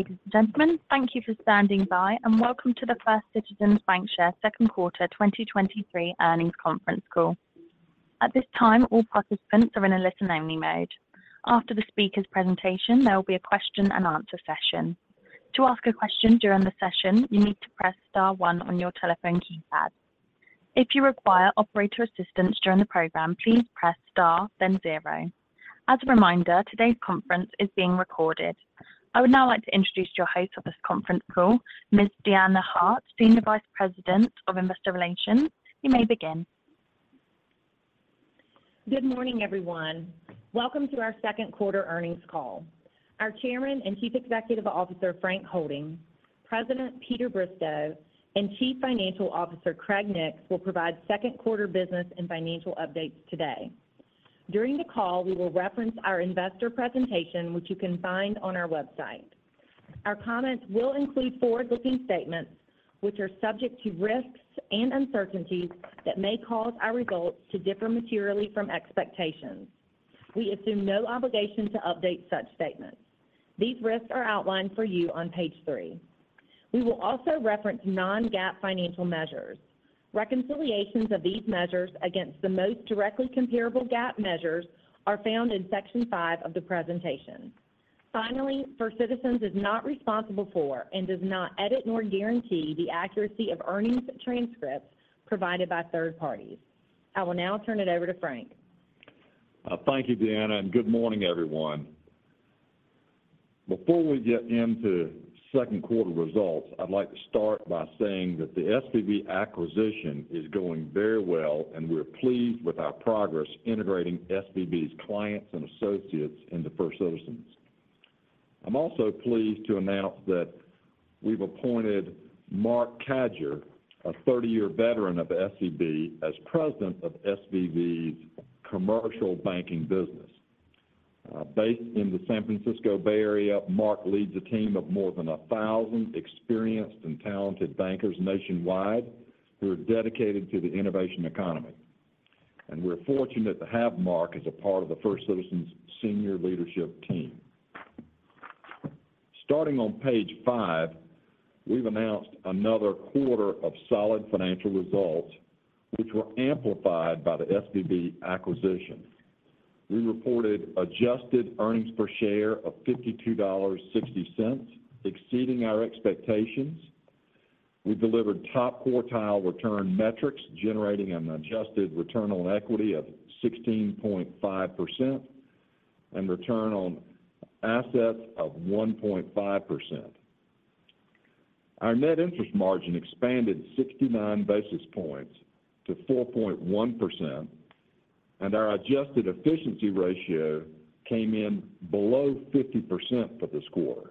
Ladies and gentlemen, thank you for standing by, welcome to the First Citizens BancShares Q2 2023 Earnings Conference Call. At this time, all participants are in a listen-only mode. After the speaker's presentation, there will be a question-and-answer session. To ask a question during the session, you need to press star one on your telephone keypad. If you require operator assistance during the program, please press star, then zero. As a reminder, today's conference is being recorded. I would now like to introduce your host for this conference call, Ms. Deanna Hart, Senior Vice President of Investor Relations. You may begin. Good morning, everyone. Welcome to our Q2 Earnings Call. Our Chairman and Chief Executive Officer, Frank Holding, President Peter Bristow, and Chief Financial Officer Craig Nix, will provide Q2 business and financial updates today. During the call, we will reference our investor presentation, which you can find on our website. Our comments will include forward-looking statements, which are subject to risks and uncertainties that may cause our results to differ materially from expectations. We assume no obligation to update such statements. These risks are outlined for you on page three. We will also reference non-GAAP financial measures. Reconciliations of these measures against the most directly comparable GAAP measures are found in section five of the presentation. Finally, First Citizens is not responsible for and does not edit nor guarantee the accuracy of earnings transcripts provided by third parties. I will now turn it over to Frank. Thank you, Deanna, and good morning, everyone. Before we get into Q2 results, I'd like to start by saying that the SVB acquisition is going very well, and we're pleased with our progress integrating SVB's clients and associates into First Citizens. I'm also pleased to announce that we've appointed Marc Cadieux, a 30-year veteran of SVB, as President of SVB's Commercial Banking Business. Based in the San Francisco Bay Area, Mark leads a team of more than 1,000 experienced and talented bankers nationwide who are dedicated to the innovation economy. We're fortunate to have Mark as a part of the First Citizens senior leadership team. Starting on page 5, we've announced another quarter of solid financial results, which were amplified by the SVB acquisition. We reported adjusted earnings per share of $52.60, exceeding our expectations. We delivered top-quartile return metrics, generating an adjusted return on equity of 16.5% and return on assets of 1.5%. Our net interest margin expanded 69 basis points to 4.1%, and our adjusted efficiency ratio came in below 50% for this quarter.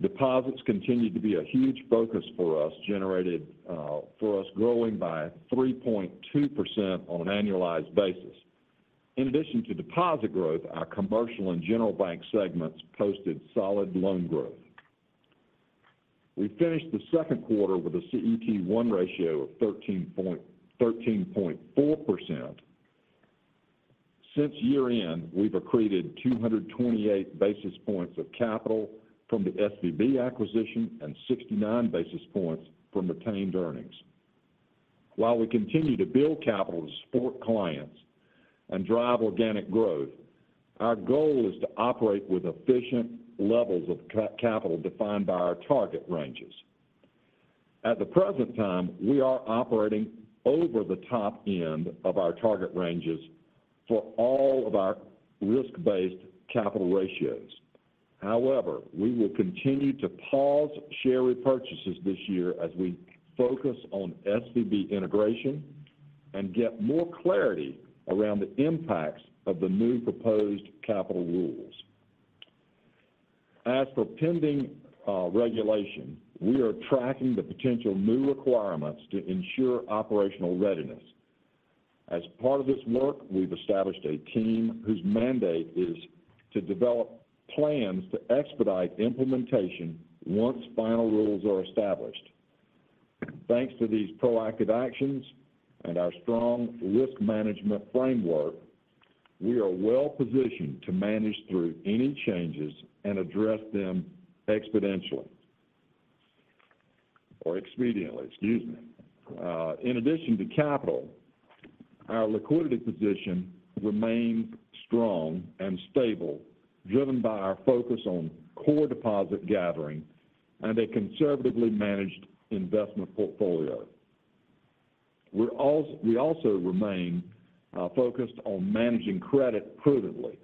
Deposits continued to be a huge focus for us, generated, for us, growing by 3.2% on an annualized basis. In addition to deposit growth, our commercial and general bank segments posted solid loan growth. We finished the Q2 with a CET1 ratio of 13.4%. Since year-end, we've accreted 228 basis points of capital from the SVB acquisition and 69 basis points from retained earnings. While we continue to build capital to support clients and drive organic growth, our goal is to operate with efficient levels of capital defined by our target ranges. At the present time, we are operating over the top end of our target ranges for all of our risk-based capital ratios. We will continue to pause share repurchases this year as we focus on SVB integration and get more clarity around the impacts of the new proposed capital rules. As for pending regulation, we are tracking the potential new requirements to ensure operational readiness. As part of this work, we've established a team whose mandate is to develop plans to expedite implementation once final rules are established. Thanks to these proactive actions and our strong risk management framework, we are well positioned to manage through any changes and address them exponentially or expediently, excuse me. In addition to capital, our liquidity position remains strong and stable, driven by our focus on core deposit gathering and a conservatively managed investment portfolio. We also remain focused on managing credit prudently.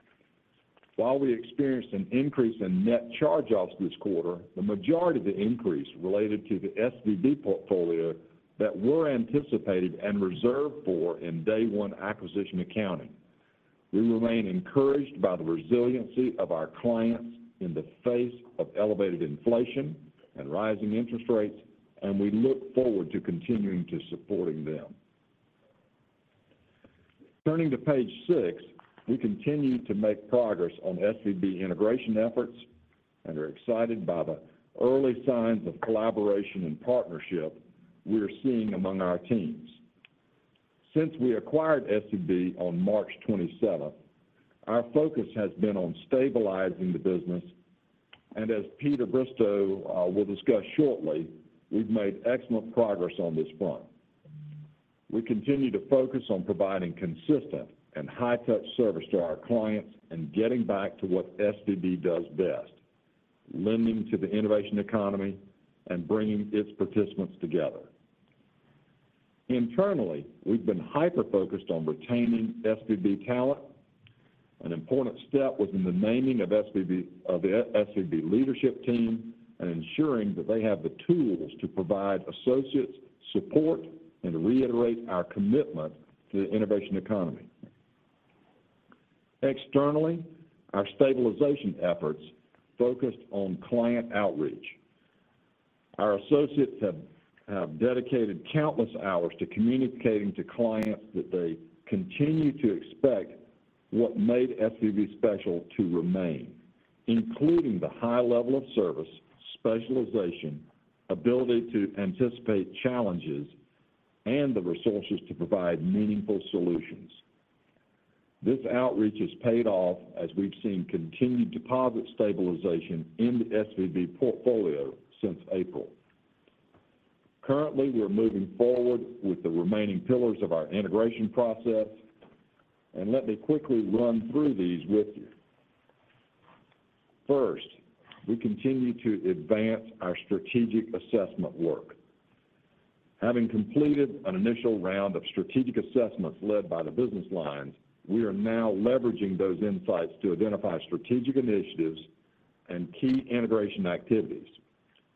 While we experienced an increase in net charge-offs this quarter, the majority of the increase related to the SVB portfolio that were anticipated and reserved for in day one acquisition accounting. We remain encouraged by the resiliency of our clients in the face of elevated inflation and rising interest rates, and we look forward to continuing to supporting them. Turning to page 6, we continue to make progress on SVB integration efforts and are excited by the early signs of collaboration and partnership we are seeing among our teams.... Since we acquired SVB on March 27th, our focus has been on stabilizing the business. As Peter Bristow will discuss shortly, we've made excellent progress on this front. We continue to focus on providing consistent and high-touch service to our clients and getting back to what SVB does best: lending to the innovation economy and bringing its participants together. Internally, we've been hyper-focused on retaining SVB talent. An important step was in the naming of the SVB leadership team and ensuring that they have the tools to provide associates support and reiterate our commitment to the innovation economy. Externally, our stabilization efforts focused on client outreach. Our associates have dedicated countless hours to communicating to clients that they continue to expect what made SVB special to remain, including the high level of service, specialization, ability to anticipate challenges, and the resources to provide meaningful solutions. This outreach has paid off as we've seen continued deposit stabilization in the SVB portfolio since April. Currently, we are moving forward with the remaining pillars of our integration process, and let me quickly run through these with you. First, we continue to advance our strategic assessment work. Having completed an initial round of strategic assessments led by the business lines, we are now leveraging those insights to identify strategic initiatives and key integration activities.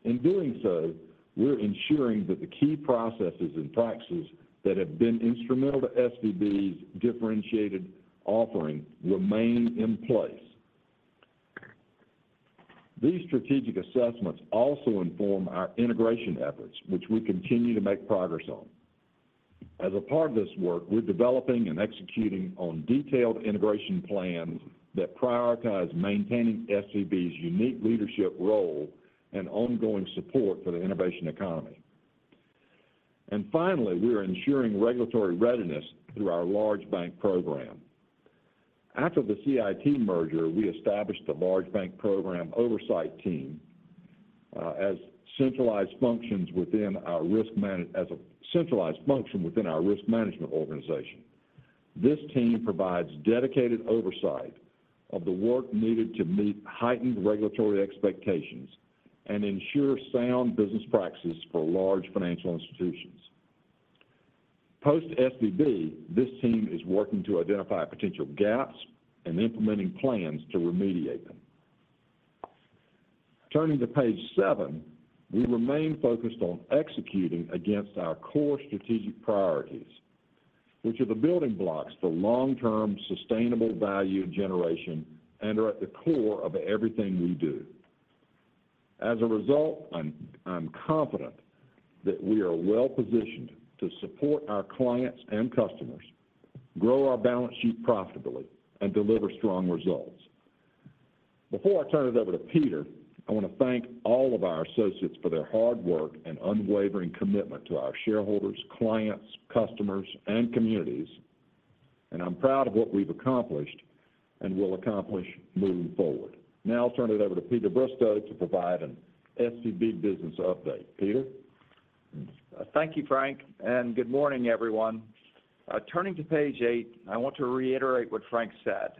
In doing so, we're ensuring that the key processes and practices that have been instrumental to SVB's differentiated offering remain in place. These strategic assessments also inform our integration efforts, which we continue to make progress on. As a part of this work, we're developing and executing on detailed integration plans that prioritize maintaining SVB's unique leadership role and ongoing support for the innovation economy. Finally, we are ensuring regulatory readiness through our large bank program. After the CIT merger, we established the large bank program oversight team, as a centralized function within our risk management organization. This team provides dedicated oversight of the work needed to meet heightened regulatory expectations and ensure sound business practices for large financial institutions. Post SVB, this team is working to identify potential gaps and implementing plans to remediate them. Turning to page seven, we remain focused on executing against our core strategic priorities, which are the building blocks for long-term, sustainable value generation and are at the core of everything we do. As a result, I'm, I'm confident that we are well positioned to support our clients and customers, grow our balance sheet profitably, and deliver strong results. Before I turn it over to Peter, I want to thank all of our associates for their hard work and unwavering commitment to our shareholders, clients, customers, and communities. I'm proud of what we've accomplished and will accomplish moving forward. Now I'll turn it over to Peter Bristow to provide an SVB business update. Peter? Thank you, Frank, and good morning, everyone. Turning to page 8, I want to reiterate what Frank said.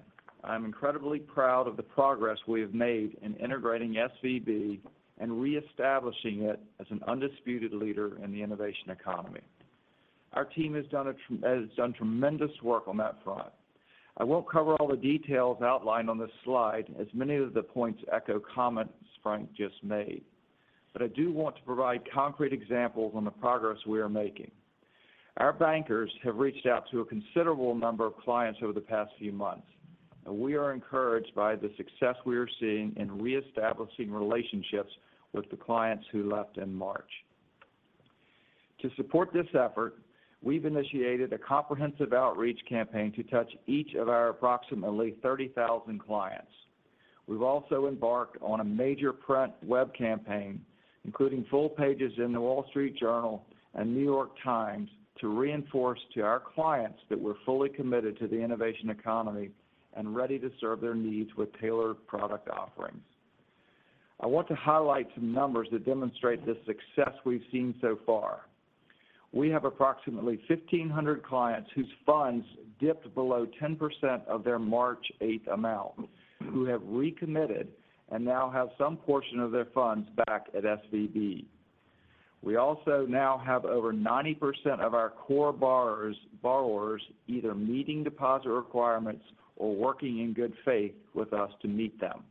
I'm incredibly proud of the progress we have made in integrating SVB and reestablishing it as an undisputed leader in the innovation economy. Our team has done tremendous work on that front. I won't cover all the details outlined on this slide, as many of the points echo comments Frank just made, but I do want to provide concrete examples on the progress we are making. Our bankers have reached out to a considerable number of clients over the past few months. We are encouraged by the success we are seeing in reestablishing relationships with the clients who left in March. To support this effort, we've initiated a comprehensive outreach campaign to touch each of our approximately 30,000 clients. We've also embarked on a major print web campaign, including full pages in The Wall Street Journal and New York Times, to reinforce to our clients that we're fully committed to the innovation economy and ready to serve their needs with tailored product offerings. I want to highlight some numbers that demonstrate the success we've seen so far. We have approximately 1,500 clients whose funds dipped below 10% of their March eighth amount, who have recommitted and now have some portion of their funds back at SVB. We also now have over 90% of our core borrowers, borrowers either meeting deposit requirements or working in good faith with us to meet them.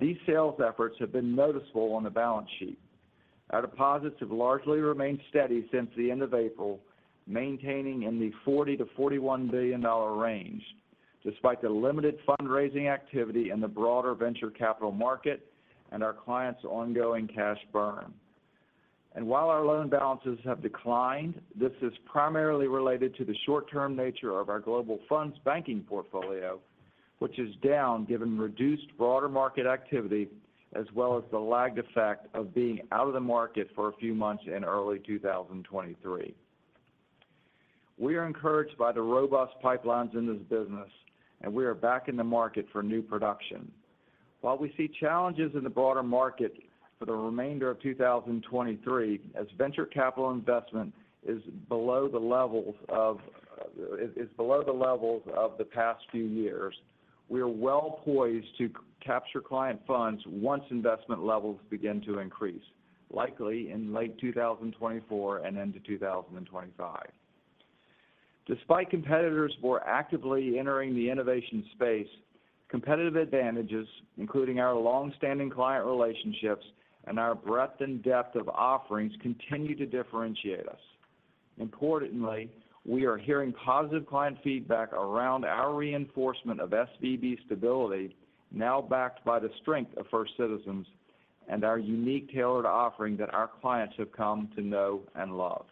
These sales efforts have been noticeable on the balance sheet. Our deposits have largely remained steady since the end of April, maintaining in the $40-$41 billion range, despite the limited fundraising activity in the broader venture capital market and our clients' ongoing cash burn. While our loan balances have declined, this is primarily related to the short-term nature of our global funds banking portfolio, which is down given reduced broader market activity, as well as the lagged effect of being out of the market for a few months in early 2023. We are encouraged by the robust pipelines in this business, we are back in the market for new production. While we see challenges in the broader market for the remainder of 2023, as venture capital investment is below the levels of the past few years, we are well poised to capture client funds once investment levels begin to increase, likely in late 2024 and into 2025. Despite competitors more actively entering the innovation space, competitive advantages, including our long-standing client relationships and our breadth and depth of offerings, continue to differentiate us. Importantly, we are hearing positive client feedback around our reinforcement of SVB stability, now backed by the strength of First Citizens and our unique tailored offering that our clients have come to know and love.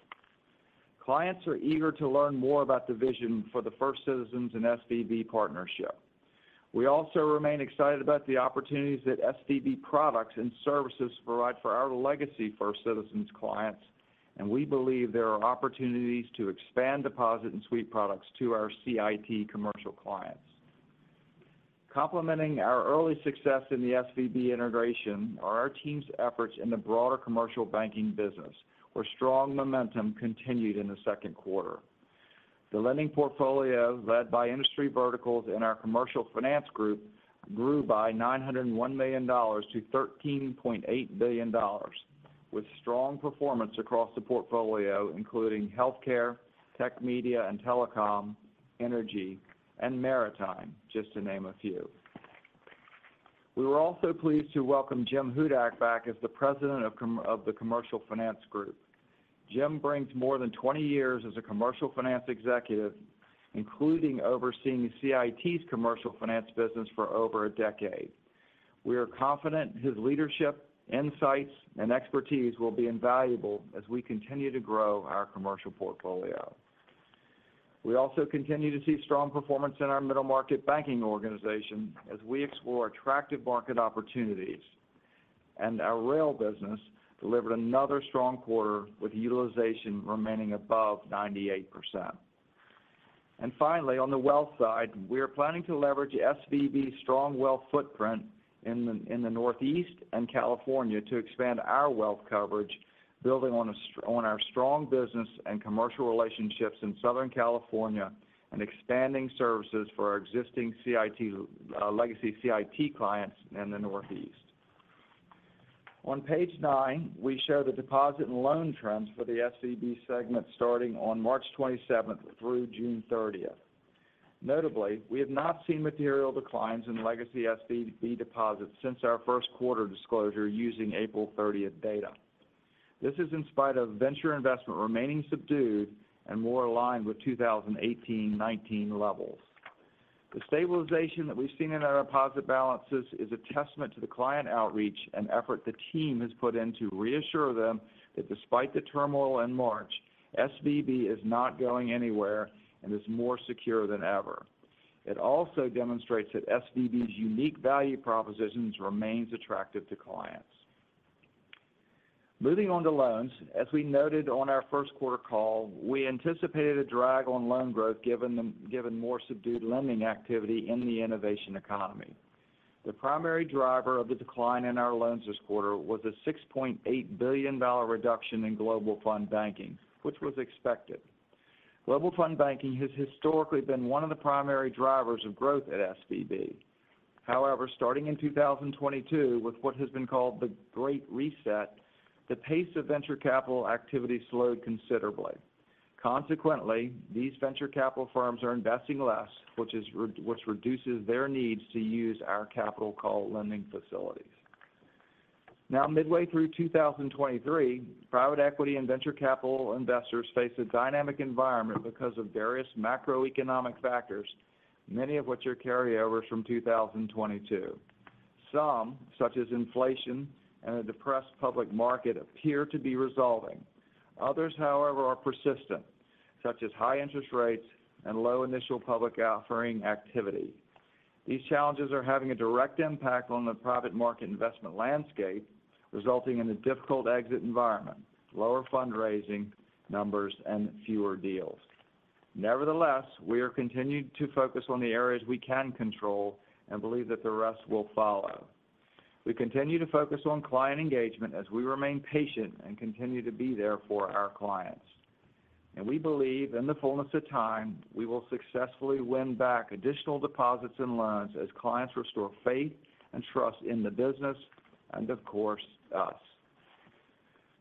Clients are eager to learn more about the vision for the First Citizens and SVB partnership. We also remain excited about the opportunities that SVB products and services provide for our legacy First Citizens clients. We believe there are opportunities to expand deposit and suite products to our CIT commercial clients. Complementing our early success in the SVB integration are our team's efforts in the broader commercial banking business, where strong momentum continued in the Q2. The lending portfolio, led by industry verticals in our commercial finance group, grew by $901 million to $13.8 billion, with strong performance across the portfolio, including healthcare, tech media and telecom, energy, and maritime, just to name a few. We were also pleased to welcome Jim Hudak back as the President of the Commercial Finance Group. Jim brings more than 20 years as a commercial finance executive, including overseeing CIT's commercial finance business for over a decade. We are confident his leadership, insights, and expertise will be invaluable as we continue to grow our commercial portfolio. We also continue to see strong performance in our middle-market banking organization as we explore attractive market opportunities. Our rail business delivered another strong quarter with utilization remaining above 98%. Finally, on the wealth side, we are planning to leverage SVB's strong wealth footprint in the Northeast and California to expand our wealth coverage, building on our strong business and commercial relationships in Southern California, and expanding services for our existing CIT legacy CIT clients in the Northeast. On page 9, we show the deposit and loan trends for the SVB segment starting on March 27th through June 30th. Notably, we have not seen material declines in legacy SVB deposits since our Q1 disclosure using April 30th data. This is in spite of venture investment remaining subdued and more aligned with 2018, 2019 levels. The stabilization that we've seen in our deposit balances is a testament to the client outreach and effort the team has put in to reassure them that despite the turmoil in March, SVB is not going anywhere and is more secure than ever. It also demonstrates that SVB's unique value propositions remains attractive to clients. Moving on to loans. As we noted on our Q1 call, we anticipated a drag on loan growth, given more subdued lending activity in the innovation economy. The primary driver of the decline in our loans this quarter was a $6.8 billion reduction in global fund banking, which was expected. Global fund banking has historically been one of the primary drivers of growth at SVB. However, starting in 2022, with what has been called the Great Reset, the pace of venture capital activity slowed considerably. Consequently, these venture capital firms are investing less, which reduces their needs to use our capital call lending facilities. Now, midway through 2023, private equity and venture capital investors face a dynamic environment because of various macroeconomic factors, many of which are carryovers from 2022. Some, such as inflation and a depressed public market, appear to be resolving. Others, however, are persistent, such as high interest rates and low initial public offering activity. These challenges are having a direct impact on the private market investment landscape, resulting in a difficult exit environment, lower fundraising numbers, and fewer deals. Nevertheless, we are continuing to focus on the areas we can control and believe that the rest will follow. We continue to focus on client engagement as we remain patient and continue to be there for our clients. We believe, in the fullness of time, we will successfully win back additional deposits and loans as clients restore faith and trust in the business and, of course, us.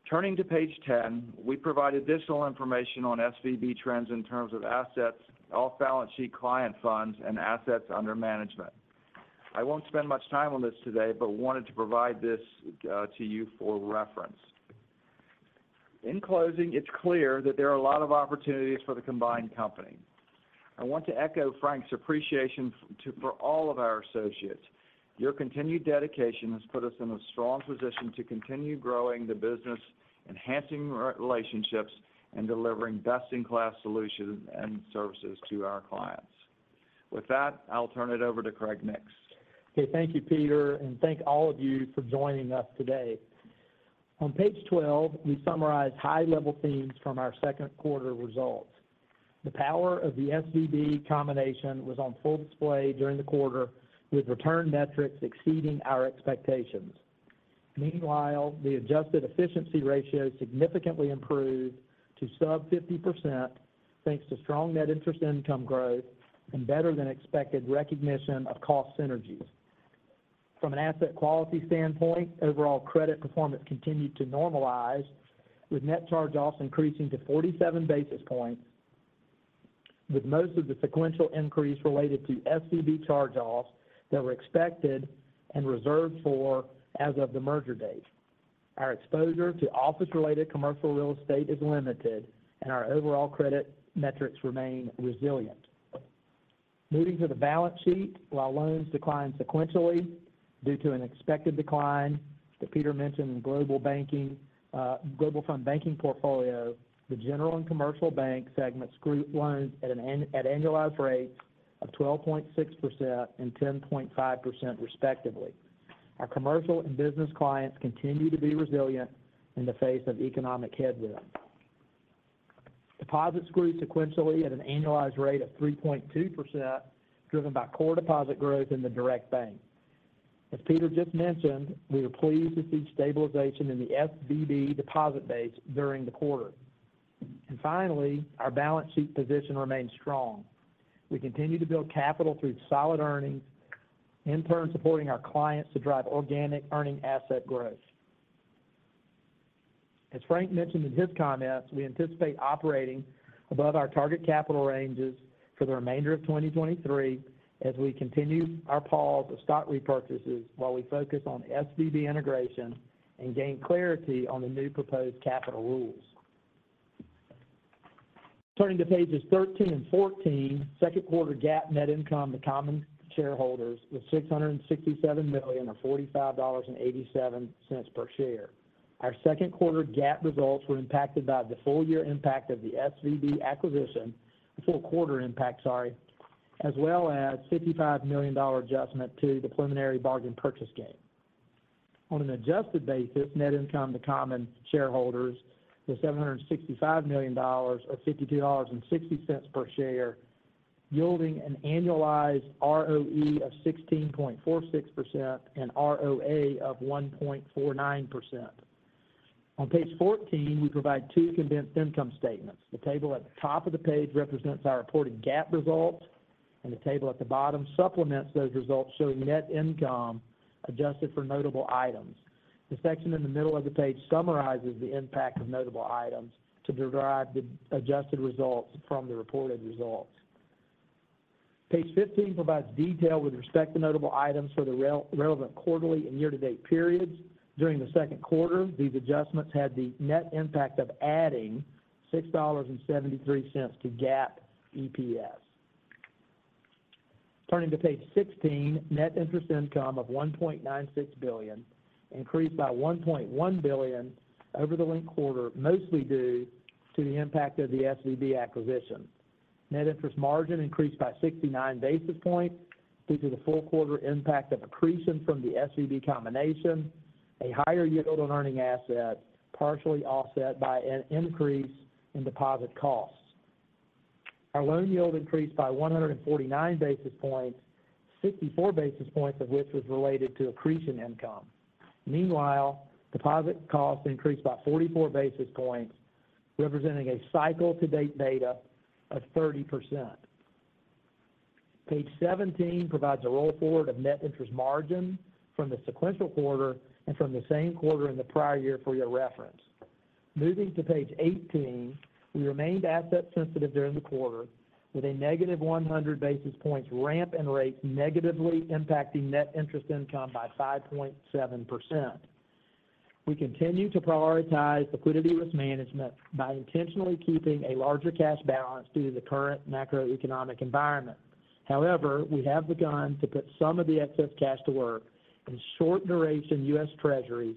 Turning to page 10, we provide additional information on SVB trends in terms of assets, off-balance sheet client funds, and assets under management. I won't spend much time on this today, but wanted to provide this to you for reference. In closing, it's clear that there are a lot of opportunities for the combined company. I want to echo Frank's appreciation to, for all of our associates. Your continued dedication has put us in a strong position to continue growing the business, enhancing relationships, and delivering best-in-class solutions and services to our clients. With that, I'll turn it over to Craig Nix. Okay, thank you, Peter, and thank all of you for joining us today. On page 12, we summarize high-level themes from our Q2 results. The power of the SVB combination was on full display during the quarter, with return metrics exceeding our expectations. Meanwhile, the adjusted efficiency ratio significantly improved to sub 50%, thanks to strong net interest income growth and better-than-expected recognition of cost synergies. From an asset quality standpoint, overall credit performance continued to normalize, with net charge-offs increasing to 47 basis points, with most of the sequential increase related to SVB charge-offs that were expected and reserved for as of the merger date. Our exposure to office-related commercial real estate is limited, and our overall credit metrics remain resilient. Moving to the balance sheet, while loans declined sequentially due to an expected decline that Peter mentioned in global banking, global fund banking portfolio, the general and commercial bank segments grew loans at annualized rates of 12.6% and 10.5% respectively. Our commercial and business clients continue to be resilient in the face of economic headwinds. Deposits grew sequentially at an annualized rate of 3.2%, driven by core deposit growth in the direct bank. As Peter just mentioned, we were pleased to see stabilization in the SVB deposit base during the quarter. Finally, our balance sheet position remains strong. We continue to build capital through solid earnings, in turn, supporting our clients to drive organic earning asset growth. As Frank mentioned in his comments, we anticipate operating above our target capital ranges for the remainder of 2023 as we continue our pause of stock repurchases while we focus on SVB integration and gain clarity on the new proposed capital rules. Turning to pages 13 and 14, Q2 GAAP net income to common shareholders was $667 million, or $45.87 per share. Our Q2 GAAP results were impacted by the full-year impact of the SVB acquisition, the full quarter impact, sorry, as well as $55 million adjustment to the preliminary bargain purchase gain. On an adjusted basis, net income to common shareholders was $765 million, or $52.60 per share, yielding an annualized ROE of 16.46% and ROA of 1.49%. On page 14, we provide two condensed income statements. The table at the top of the page represents our reported GAAP results. The table at the bottom supplements those results showing net income adjusted for notable items. The section in the middle of the page summarizes the impact of notable items to derive the adjusted results from the reported results. Page 15 provides detail with respect to notable items for the relevant quarterly and year-to-date periods. During the Q2, these adjustments had the net impact of adding $6.73 to GAAP EPS. Turning to page 16, net interest income of $1.96 billion increased by $1.1 billion over the linked quarter, mostly due to the impact of the SVB acquisition. Net interest margin increased by 69 basis points due to the full quarter impact of accretion from the SVB combination, a higher yield on earning assets, partially offset by an increase in deposit costs. Our loan yield increased by 149 basis points, 64 basis points of which was related to accretion income. Meanwhile, deposit costs increased by 44 basis points, representing a cycle-to-date beta of 30%. Page 17 provides a roll forward of net interest margin from the sequential quarter and from the same quarter in the prior year for your reference. Moving to page 18, we remained asset sensitive during the quarter, with a negative 100 basis points ramp and rate negatively impacting net interest income by 5.7%. We continue to prioritize liquidity risk management by intentionally keeping a larger cash balance due to the current macroeconomic environment. However, we have begun to put some of the excess cash to work in short duration U.S. Treasuries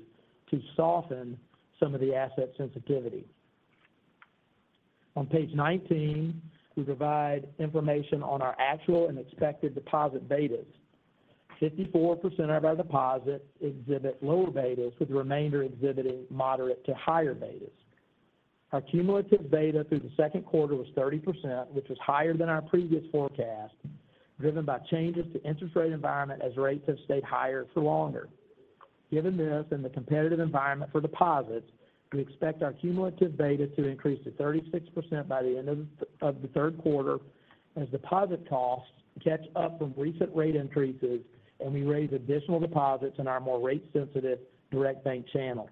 to soften some of the asset sensitivity. On page 19, we provide information on our actual and expected deposit betas. 54% of our deposits exhibit lower betas, with the remainder exhibiting moderate to higher betas. Our cumulative beta through the Q2 was 30%, which was higher than our previous forecast, driven by changes to interest rate environment as rates have stayed higher for longer. Given this and the competitive environment for deposits, we expect our cumulative beta to increase to 36% by the end of the Q3 as deposit costs catch up from recent rate increases, and we raise additional deposits in our more rate-sensitive direct bank channel.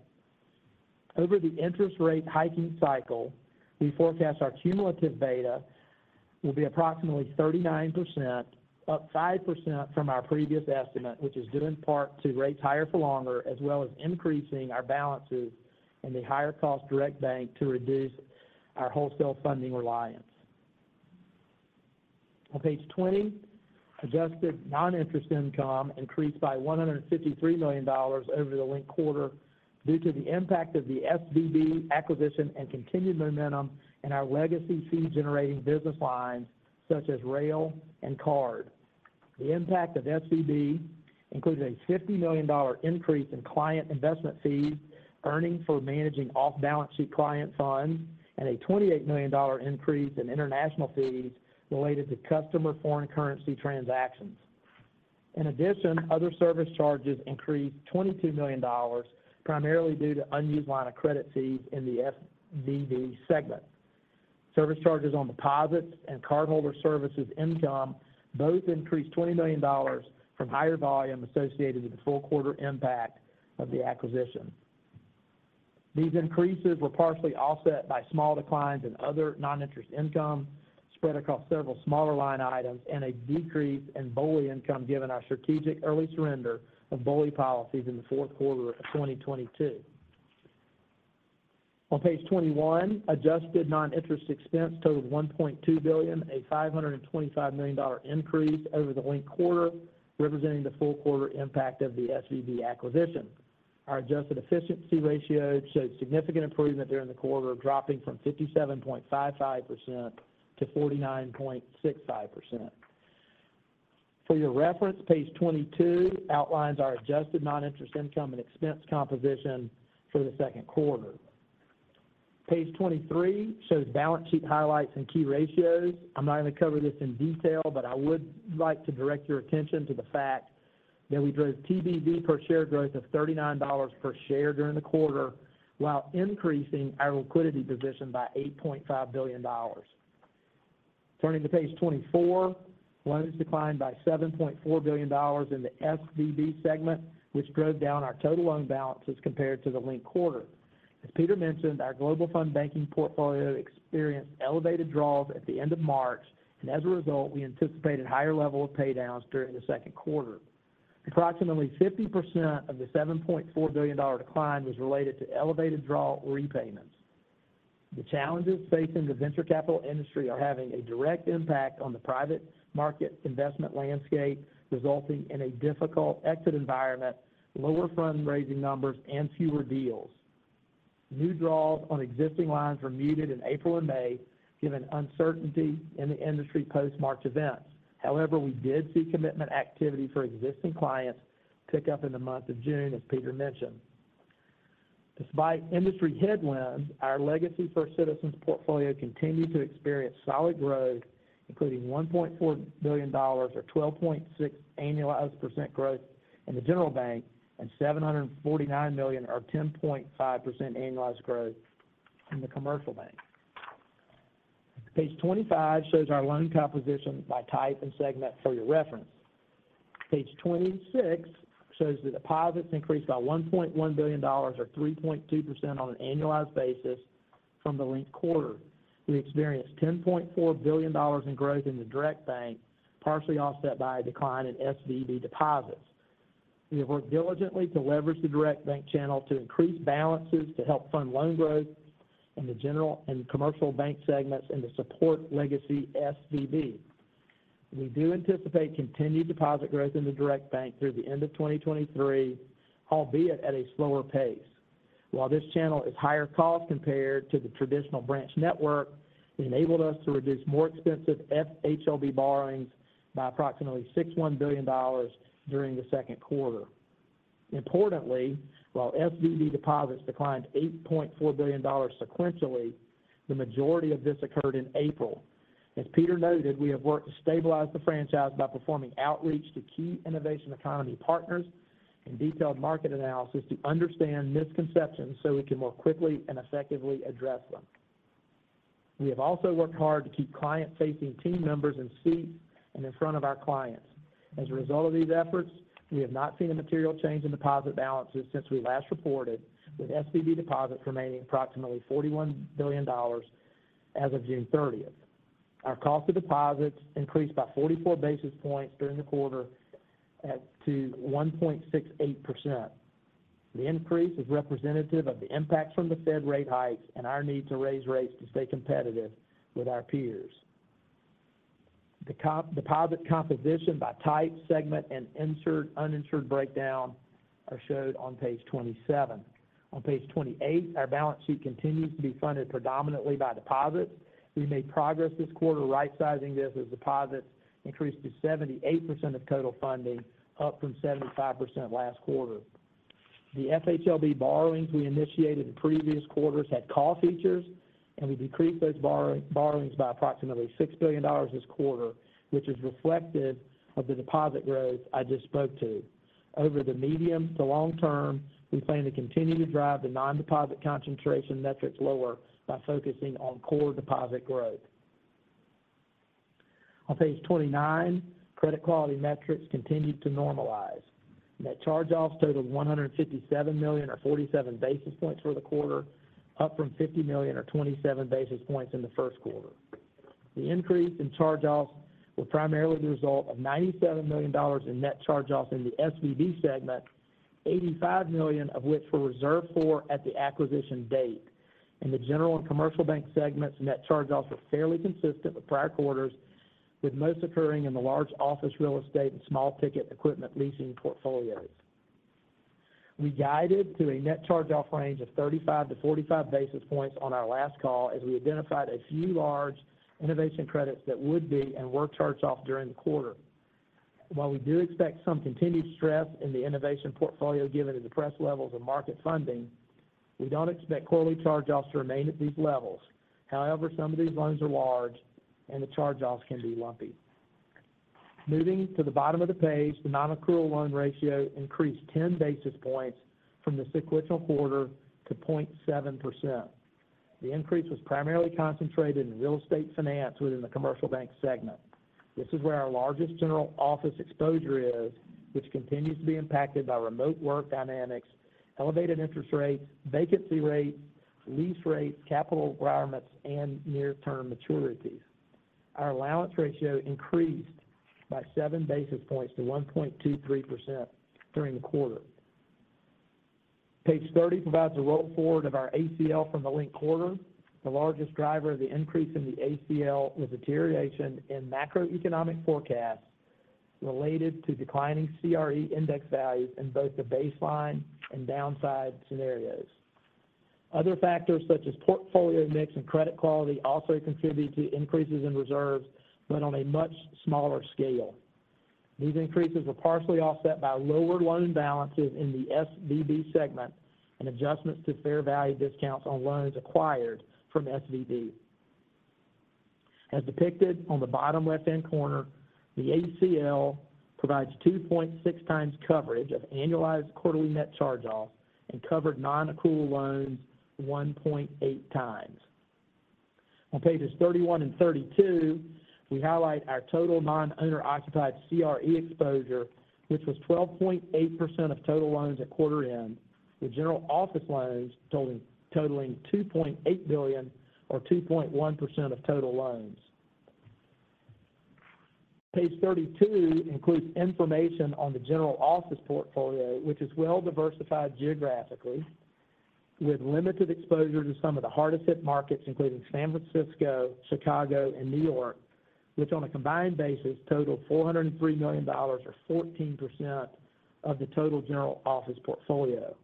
Over the interest rate hiking cycle, we forecast our cumulative beta will be approximately 39%, up 5% from our previous estimate, which is due in part to rates higher for longer, as well as increasing our balances in the higher cost direct bank to reduce our wholesale funding reliance. On page 20, adjusted non-interest income increased by $153 million over the linked quarter due to the impact of the SVB acquisition and continued momentum in our legacy fee-generating business lines such as rail and card. The impact of SVB includes a $50 million increase in client investment fees, earnings for managing off-balance sheet client funds, and a $28 million increase in international fees related to customer foreign currency transactions. In addition, other service charges increased $22 million, primarily due to unused line of credit fees in the SVB segment. Service charges on deposits and cardholder services income both increased $20 million from higher volume associated with the full quarter impact of the acquisition. These increases were partially offset by small declines in other non-interest income spread across several smaller line items and a decrease in BOLI income, given our strategic early surrender of BOLI policies in the Q4 of 2022. On page 21, adjusted non-interest expense totaled $1.2 billion, a $525 million increase over the linked quarter, representing the full quarter impact of the SVB acquisition. Our adjusted efficiency ratio showed significant improvement during the quarter, dropping from 57.55% to 49.65%. For your reference, page 22 outlines our adjusted non-interest income and expense composition for the Q2. Page 23 shows balance sheet highlights and key ratios. I'm not going to cover this in detail, but I would like to direct your attention to the fact that we drove TBV per share growth of $39 per share during the quarter, while increasing our liquidity position by $8.5 billion. Turning to page 24, loans declined by $7.4 billion in the SVB segment, which drove down our total loan balances compared to the linked quarter. As Peter mentioned, our global fund banking portfolio experienced elevated draws at the end of March, and as a result, we anticipated higher level of paydowns during the Q2. Approximately 50% of the $7.4 billion decline was related to elevated draw repayments. The challenges facing the venture capital industry are having a direct impact on the private market investment landscape, resulting in a difficult exit environment, lower fundraising numbers, and fewer deals. New draws on existing lines were muted in April and May, given uncertainty in the industry post-March events. However, we did see commitment activity for existing clients pick up in the month of June, as Peter mentioned. Despite industry headwinds, our legacy First Citizens portfolio continued to experience solid growth, including $1.4 billion or 12.6% annualized growth in the general bank and $749 million or 10.5% annualized growth in the commercial bank. Page 25 shows our loan composition by type and segment for your reference. Page 26 shows the deposits increased by $1.1 billion or 3.2% on an annualized basis from the linked quarter. We experienced $10.4 billion in growth in the direct bank, partially offset by a decline in SVB deposits. We have worked diligently to leverage the direct bank channel to increase balances to help fund loan growth in the general and commercial bank segments and to support legacy SVB. We do anticipate continued deposit growth in the direct bank through the end of 2023, albeit at a slower pace. While this channel is higher cost compared to the traditional branch network, it enabled us to reduce more expensive FHLB borrowings by approximately $6.1 billion during the Q2. Importantly, while SVB deposits declined $8.4 billion sequentially, the majority of this occurred in April. As Peter noted, we have worked to stabilize the franchise by performing outreach to key innovation economy partners and detailed market analysis to understand misconceptions, so we can more quickly and effectively address them. We have also worked hard to keep client-facing team members in seat and in front of our clients. As a result of these efforts, we have not seen a material change in deposit balances since we last reported, with SVB deposits remaining approximately $41 billion as of June 30th. Our cost of deposits increased by 44 basis points during the quarter up to 1.68%. The increase is representative of the impact from the Fed rate hikes and our need to raise rates to stay competitive with our peers. The deposit composition by type, segment, and insured, uninsured breakdown are showed on page 27. On page 28, our balance sheet continues to be funded predominantly by deposits. We made progress this quarter, right sizing this as deposits increased to 78% of total funding, up from 75% last quarter. The FHLB borrowings we initiated in previous quarters had call features. We decreased those borrowings by approximately $6 billion this quarter, which is reflective of the deposit growth I just spoke to. Over the medium to long term, we plan to continue to drive the non-deposit concentration metrics lower by focusing on core deposit growth. On page 29, credit quality metrics continued to normalize. Net charge-offs totaled $157 million or 47 basis points for the quarter, up from $50 million or 27 basis points in the Q1. The increase in charge-offs was primarily the result of $97 million in net charge-offs in the SVB segment. $85 million of which were reserved for at the acquisition date. In the general and commercial bank segments, net charge-offs were fairly consistent with prior quarters, with most occurring in the large office real estate and small ticket equipment leasing portfolios. We guided to a net charge-off range of 35-45 basis points on our last call, as we identified a few large innovation credits that would be and were charged off during the quarter. While we do expect some continued stress in the innovation portfolio, given the depressed levels of market funding, we don't expect quarterly charge-offs to remain at these levels. Some of these loans are large and the charge-offs can be lumpy. Moving to the bottom of the page, the nonaccrual loan ratio increased 10 basis points from the sequential quarter to 0.7%. The increase was primarily concentrated in real estate finance within the commercial bank segment. This is where our largest general office exposure is, which continues to be impacted by remote work dynamics, elevated interest rates, vacancy rates, lease rates, capital requirements, and near-term maturities. Our allowance ratio increased by 7 basis points to 1.23% during the quarter. Page 30 provides a roll forward of our ACL from the linked quarter. The largest driver of the increase in the ACL was deterioration in macroeconomic forecasts related to declining CRE index values in both the baseline and downside scenarios. Other factors, such as portfolio mix and credit quality, also contributed to increases in reserves, but on a much smaller scale. These increases were partially offset by lower loan balances in the SVB segment and adjustments to fair value discounts on loans acquired from SVB. As depicted on the bottom left-hand corner, the ACL provides 2.6 times coverage of annualized quarterly net charge-offs and covered nonaccrual loans 1.8 times. On pages 31 and 32, we highlight our total non-underoccupied CRE exposure, which was 12.8% of total loans at quarter end, with general office loans totaling $2.8 billion or 2.1% of total loans. Page 32 includes information on the general office portfolio, which is well diversified geographically, with limited exposure to some of the hardest hit markets, including San Francisco, Chicago, and New York, which on a combined basis totaled $403 million, or 14% of the total general office portfolio.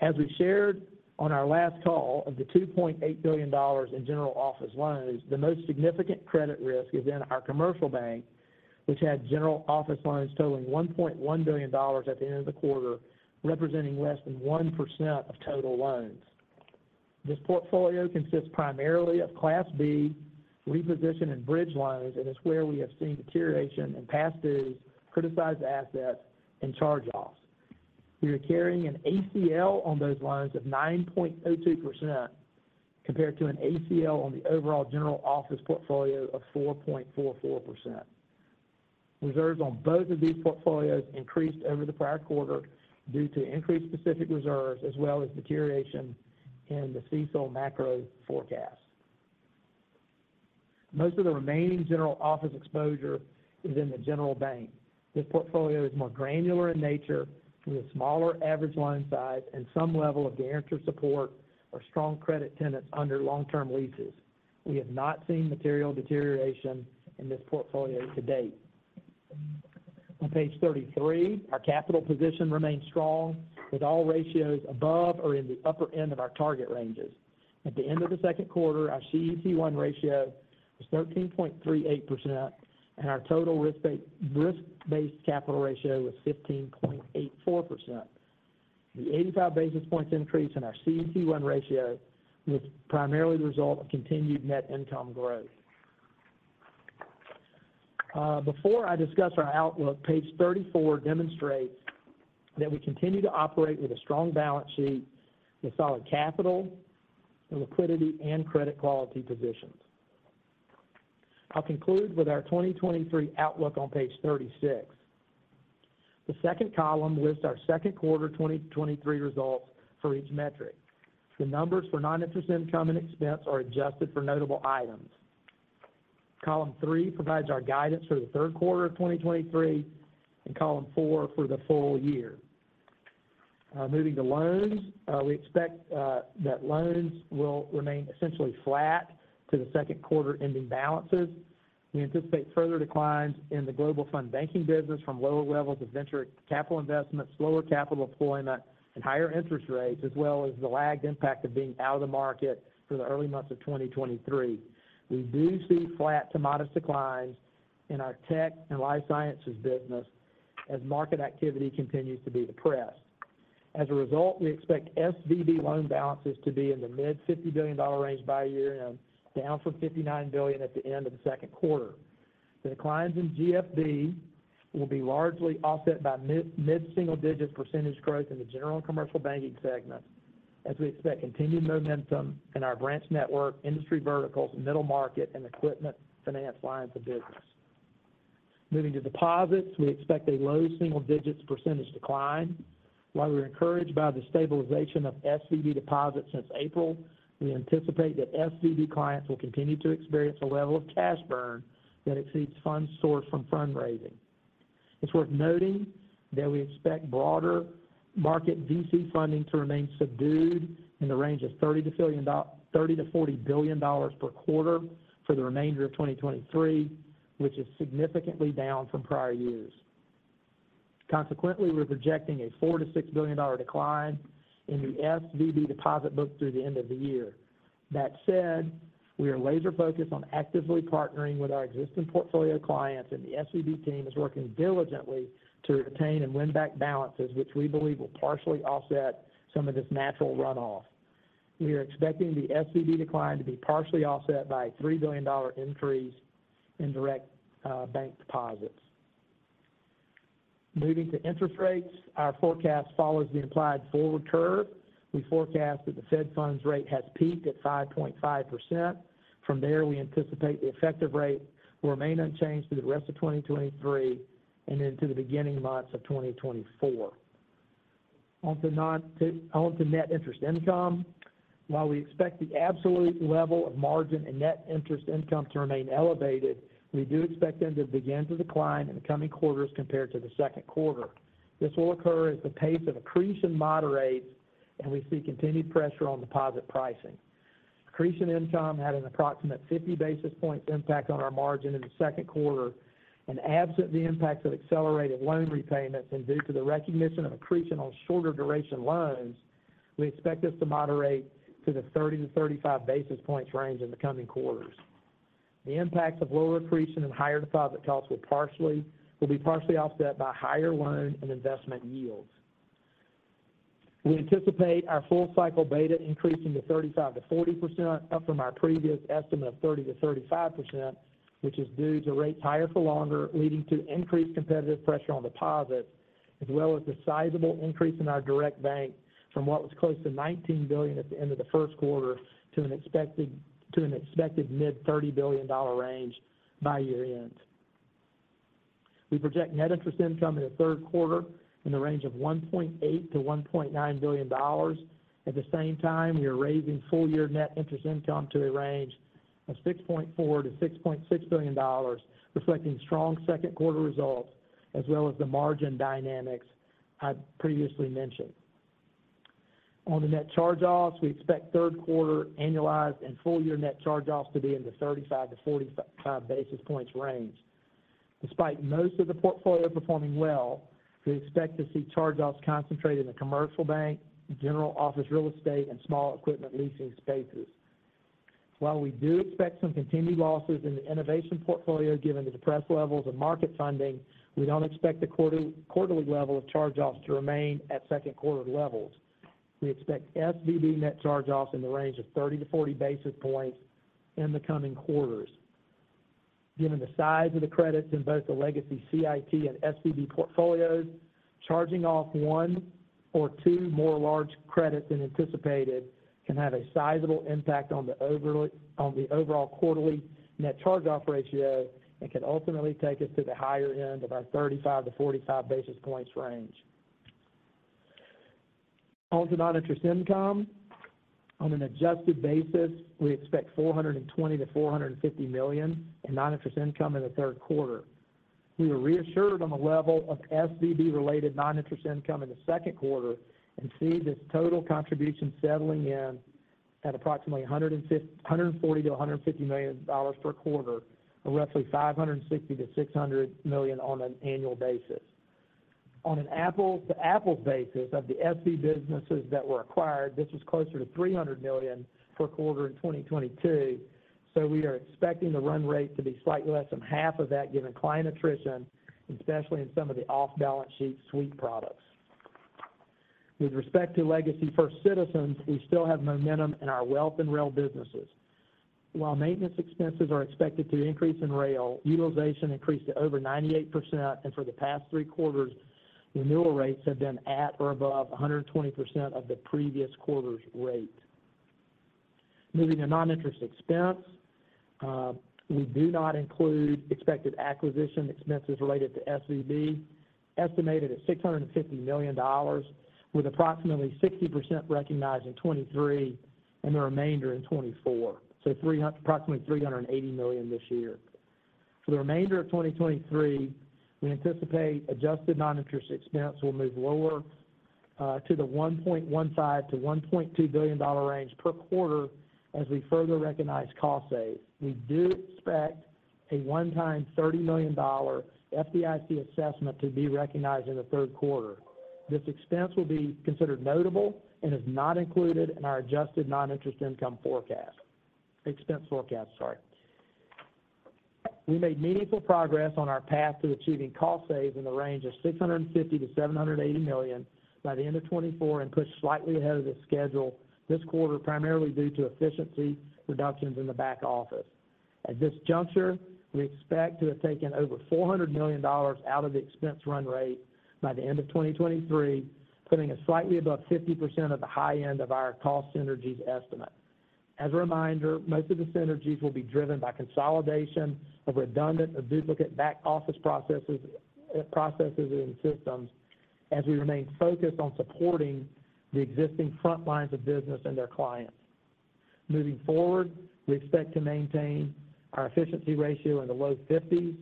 As we shared on our last call, of the $2.8 billion in general office loans, the most significant credit risk is in our commercial bank, which had general office loans totaling $1.1 billion at the end of the quarter, representing less than 1% of total loans. This portfolio consists primarily of Class B reposition and bridge loans, and it's where we have seen deterioration in past dues, criticized assets, and charge-offs. We are carrying an ACL on those loans of 9.02%, compared to an ACL on the overall general office portfolio of 4.44%. Reserves on both of these portfolios increased over the prior quarter due to increased specific reserves, as well as deterioration in the CECL macro forecast. Most of the remaining general office exposure is in the general bank. This portfolio is more granular in nature, with smaller average loan size and some level of guarantor support or strong credit tenants under long-term leases. We have not seen material deterioration in this portfolio to date. On page 33, our capital position remains strong, with all ratios above or in the upper end of our target ranges. At the end of the Q2, our CET1 ratio was 13.38%, and our total risk-based capital ratio was 15.84%. The 85 basis points increase in our CET1 ratio was primarily the result of continued net income growth. Before I discuss our outlook, page 34 demonstrates that we continue to operate with a strong balance sheet and solid capital and liquidity and credit quality positions. I'll conclude with our 2023 outlook on page 36. The second column lists our Q2 2023 results for each metric. The numbers for non-interest income and expense are adjusted for notable items. Column three provides our guidance for the Q3 of 2023, and column four for the full year. Moving to loans, we expect that loans will remain essentially flat to the Q2 ending balances. We anticipate further declines in the global fund banking business from lower levels of venture capital investments, slower capital deployment, and higher interest rates, as well as the lagged impact of being out of the market for the early months of 2023. We do see flat to modest declines in our tech and life sciences business as market activity continues to be depressed. As a result, we expect SVB loan balances to be in the mid $50 billion range by year-end, down from $59 billion at the end of the Q2. The declines in GFB will be largely offset by mid single-digit % growth in the general commercial banking segment, as we expect continued momentum in our branch network, industry verticals, middle market, and equipment finance lines of business. Moving to deposits, we expect a low single digits % decline. While we're encouraged by the stabilization of SVB deposits since April, we anticipate that SVB clients will continue to experience a level of cash burn that exceeds funds sourced from fundraising. It's worth noting that we expect broader market VC funding to remain subdued in the range of $30-$40 billion per quarter for the remainder of 2023, which is significantly down from prior years. Consequently, we're projecting a $4-$6 billion decline in the SVB deposit book through the end of the year. That said, we are laser focused on actively partnering with our existing portfolio clients, and the SVB team is working diligently to retain and win back balances, which we believe will partially offset some of this natural runoff. We are expecting the SVB decline to be partially offset by a $3 billion increase in direct bank deposits. Moving to interest rates, our forecast follows the implied forward curve. We forecast that the Fed funds rate has peaked at 5.5%. From there, we anticipate the effective rate will remain unchanged through the rest of 2023 and into the beginning months of 2024. On to net interest income. While we expect the absolute level of margin and net interest income to remain elevated, we do expect them to begin to decline in the coming quarters compared to the Q2. This will occur as the pace of accretion moderates and we see continued pressure on deposit pricing. Accretion income had an approximate 50 basis points impact on our margin in the Q2, and absent the impacts of accelerated loan repayments and due to the recognition of accretion on shorter duration loans, we expect this to moderate to the 30-35 basis points range in the coming quarters. The impacts of lower accretion and higher deposit costs will be partially offset by higher loan and investment yields. We anticipate our full cycle beta increasing to 35%-40%, up from our previous estimate of 30%-35%, which is due to rates higher for longer, leading to increased competitive pressure on deposits, as well as the sizable increase in our direct bank from what was close to $19 billion at the end of the Q1, to an expected mid-$30 billion range by year-end. We project net interest income in the Q3 in the range of $1.8-$1.9 billion. At the same time, we are raising full year net interest income to a range of $6.4-$6.6 billion, reflecting strong Q2 results, as well as the margin dynamics I previously mentioned. On the net charge-offs, we expect Q3 annualized and full year net charge-offs to be in the 35-45 basis points range. Despite most of the portfolio performing well, we expect to see charge-offs concentrate in the commercial bank, general office, real estate, and small equipment leasing spaces. While we do expect some continued losses in the innovation portfolio, given the depressed levels of market funding, we don't expect the quarterly level of charge-offs to remain at Q2 levels. We expect SVB net charge-offs in the range of 30-40 basis points in the coming quarters. Given the size of the credits in both the legacy CIT and SVB portfolios, charging off one or two more large credits than anticipated can have a sizable impact on the overall quarterly net charge-off ratio, could ultimately take us to the higher end of our 35-45 basis points range. To non-interest income. On an adjusted basis, we expect $420-$450 million in non-interest income in the Q3. We were reassured on the level of SVB-related non-interest income in the Q2, see this total contribution settling in at approximately $140-$150 million per quarter, or roughly $560-$600 million on an annual basis. On an apple-to-apple basis of the SV businesses that were acquired, this was closer to $300 million per quarter in 2022. We are expecting the run rate to be slightly less than half of that, given client attrition, especially in some of the off-balance sheet suite products. With respect to legacy First Citizens, we still have momentum in our wealth and rail businesses. While maintenance expenses are expected to increase in rail, utilization increased to over 98%, and for the past 3 quarters, renewal rates have been at or above 120% of the previous quarter's rate. Moving to non-interest expense, we do not include expected acquisition expenses related to SVB, estimated at $650 million, with approximately 60% recognized in 2023 and the remainder in 2024. Approximately $380 million this year. For the remainder of 2023, we anticipate adjusted non-interest expense will move lower to the $1.15-$1.2 billion range per quarter as we further recognize cost saves. We do expect a one-time $30 million FDIC assessment to be recognized in the Q3. This expense will be considered notable and is not included in our adjusted non-interest income forecast. Expense forecast, sorry. We made meaningful progress on our path to achieving cost saves in the range of $650-$780 million by the end of 2024, pushed slightly ahead of the schedule this quarter, primarily due to efficiency reductions in the back office. At this juncture, we expect to have taken over $400 million out of the expense run rate by the end of 2023, putting us slightly above 50% of the high end of our cost synergies estimate. As a reminder, most of the synergies will be driven by consolidation of redundant or duplicate back-office processes, processes and systems as we remain focused on supporting the existing front lines of business and their clients. Moving forward, we expect to maintain our efficiency ratio in the low 50s,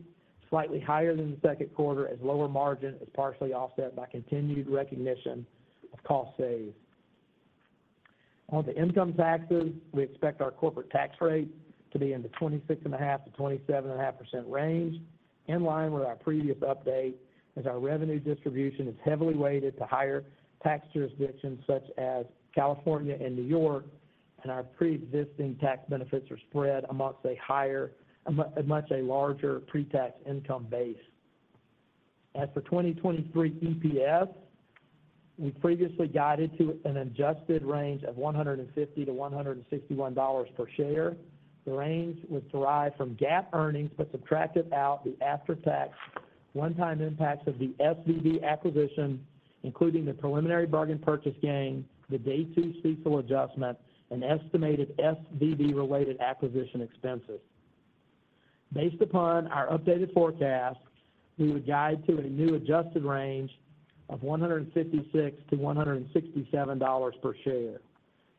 slightly higher than the Q2, as lower margin is partially offset by continued recognition of cost saves. The income taxes, we expect our corporate tax rate to be in the 26.5%-27.5% range, in line with our previous update, as our revenue distribution is heavily weighted to higher tax jurisdictions such as California and New York, and our preexisting tax benefits are spread amongst a much larger pre-tax income base. For 2023 EPS, we previously guided to an adjusted range of $150-$161 per share. The range was derived from GAAP earnings, subtracted out the after-tax one-time impacts of the SVB acquisition, including the preliminary bargain purchase gain, the Day-Two CECL adjustment, and estimated SVB-related acquisition expenses. Based upon our updated forecast, we would guide to a new adjusted range of $156-$167 per share.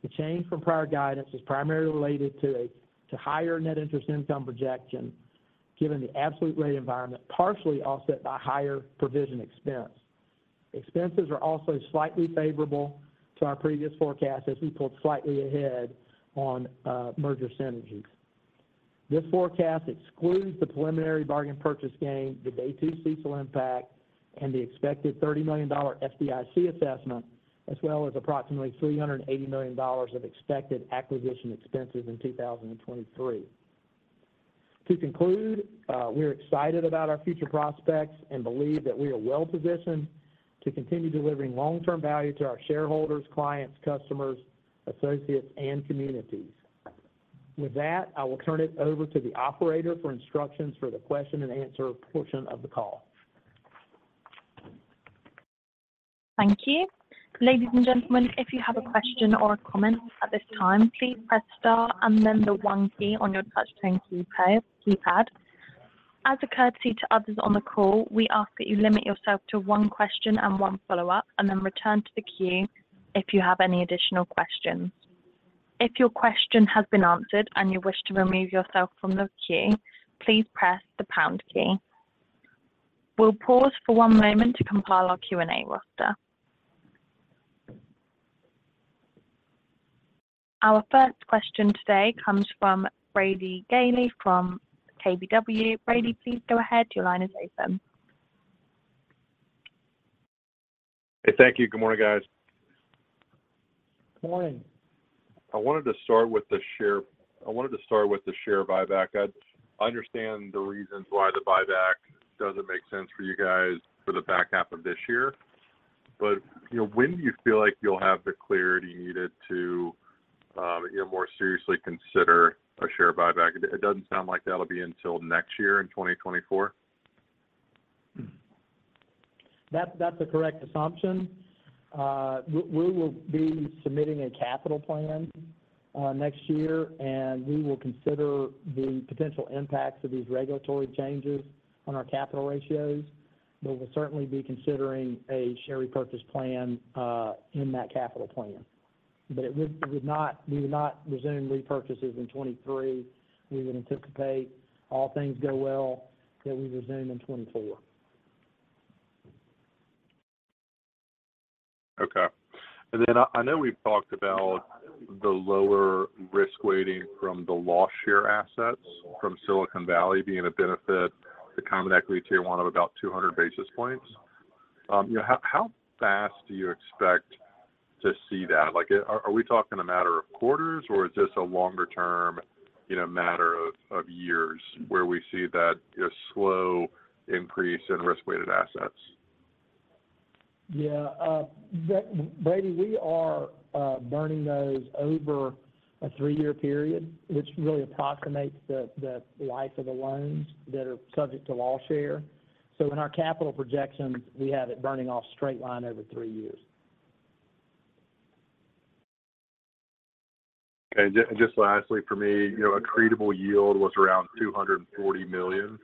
The change from prior guidance is primarily related to higher net interest income projection, given the absolute rate environment, partially offset by higher provision expense. Expenses are also slightly favorable to our previous forecast as we pulled slightly ahead on merger synergies. This forecast excludes the preliminary bargain purchase gain, the Day-Two CECL impact, and the expected $30 million FDIC assessment, as well as approximately $380 million of expected acquisition expenses in 2023. To conclude, we're excited about our future prospects and believe that we are well positioned to continue delivering long-term value to our shareholders, clients, customers, associates, and communities. With that, I will turn it over to the operator for instructions for the question-and-answer portion of the call. Thank you. Ladies and gentlemen, if you have a question or a comment at this time, please press star and then the one key on your touchtone keypad. As a courtesy to others on the call, we ask that you limit yourself to one question and one follow-up, and then return to the queue if you have any additional questions. If your question has been answered and you wish to remove yourself from the queue, please press the pound key. We'll pause for one moment to compile our Q&A roster. Our first question today comes from Brady Gailey from KBW. Brady, please go ahead. Your line is open. Hey, thank you. Good morning, guys. Good morning. I wanted to start with the share buyback. I understand the reasons why the buyback doesn't make sense for you guys for the back half of this year. You know, when do you feel like you'll have the clarity needed to, you know, more seriously consider a share buyback? It doesn't sound like that'll be until next year in 2024. That's, that's a correct assumption. We will be submitting a capital plan next year, and we will consider the potential impacts of these regulatory changes on our capital ratios. We'll certainly be considering a share repurchase plan in that capital plan. We would not resume repurchases in 2023. We would anticipate, all things go well, that we resume in 2024. Okay. Then I, I know we've talked about the lower risk weighting from the loss share assets from Silicon Valley being a benefit to common equity tier one of about 200 basis points. You know, how, how fast do you expect to see that? Like, are, are we talking a matter of quarters, or is this a longer term, you know, matter of, of years where we see that, a slow increase in risk-weighted assets? Yeah, Brady, we are burning those over a three-year period, which really approximates the, the life of the loans that are subject to loss share. In our capital projections, we have it burning off straight line over three years. Okay. just lastly for me, you know, accretable yield was around $240 million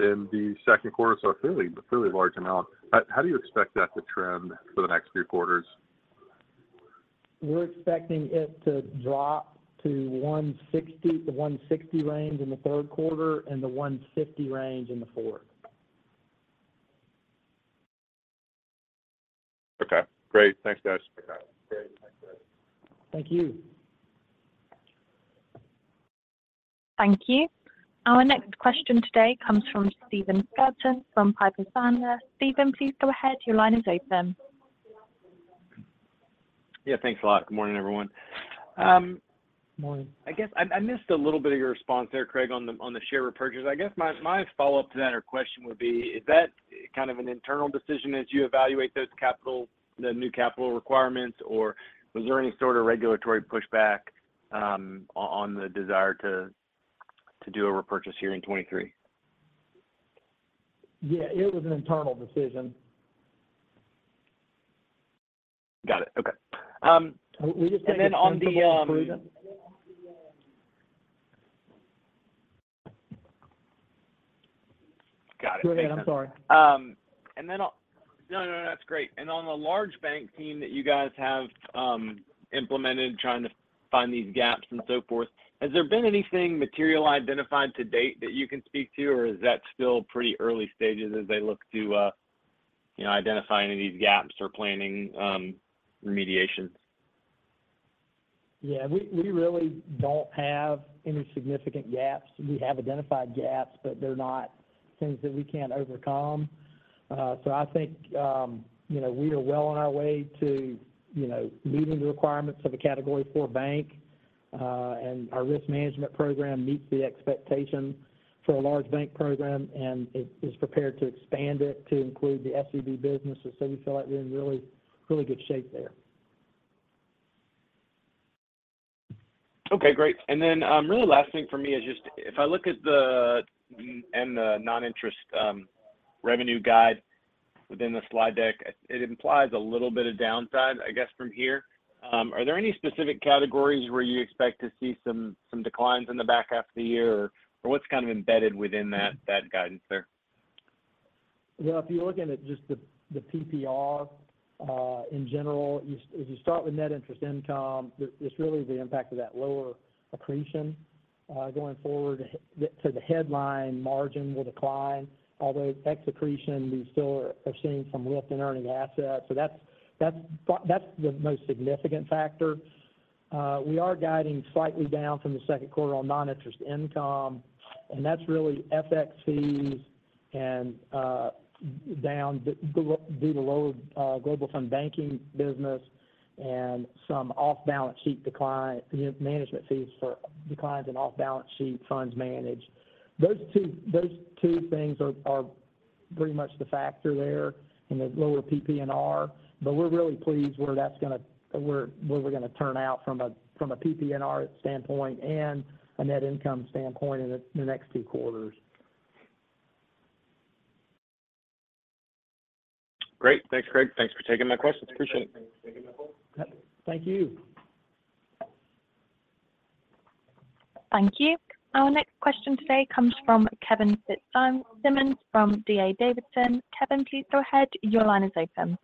in the Q2, so a really, really large amount. How do you expect that to trend for the next few quarters? We're expecting it to drop to 160, the 160 range in the Q3 and the 150 range in the fourth. Okay, great. Thanks, guys. Thank you. Thank you. Our next question today comes from Stephen Scouten from Piper Sandler. Steven, please go ahead. Your line is open. Yeah, thanks a lot. Good morning, everyone. Morning. I guess I, I missed a little bit of your response there, Craig, on the, on the share repurchase. I guess my, my follow-up to that or question would be: Is that kind of an internal decision as you evaluate those capital, the new capital requirements, or was there any sort of regulatory pushback on the desire to, to do a repurchase here in 2023? Yeah, it was an internal decision. Got it. Okay. Then on the, Go ahead, I'm sorry. No, no, no, that's great. On the large bank team that you guys have, implemented, trying to find these gaps and so forth, has there been anything material identified to date that you can speak to, or is that still pretty early stages as they look to, you know, identify any of these gaps or planning, remediation? Yeah, we, we really don't have any significant gaps. We have identified gaps, but they're not things that we can't overcome. I think, you know, we are well on our way to, you know, meeting the requirements of a Category Four bank. Our risk management program meets the expectation for a large bank program, and it is prepared to expand it to include the SVB businesses. We feel like we're in really, really good shape there. Okay, great. Really last thing for me is just if I look at the and the non-interest revenue guide within the slide deck, it implies a little bit of downside, I guess, from here. Are there any specific categories where you expect to see declines in the back half of the year? What's kind of embedded within that, that guidance there? Well, if you're looking at just the PPNR, in general, if you start with net interest income, it's really the impact of that lower accretion. Going forward, to the headline margin will decline, although ex accretion, we still are seeing some lift in earning assets. That's the most significant factor. We are guiding slightly down from the Q2 on non-interest income, that's really FX fees and down due to lower global fund banking business and some off-balance sheet decline, you know, management fees for declines in off-balance sheet funds managed. Those two, those two things are, are pretty much the factor there in the lower PPNR, but we're really pleased where that's where we're gonna turn out from a, from a PPNR standpoint and a net income standpoint in the, the next two quarters. Great. Thanks, Craig. Thanks for taking my questions. Appreciate it. Thank you. Thank you. Our next question today comes from Kevin Fitzsimmons from D.A. Davidson. Kevin, please go ahead. Your line is open.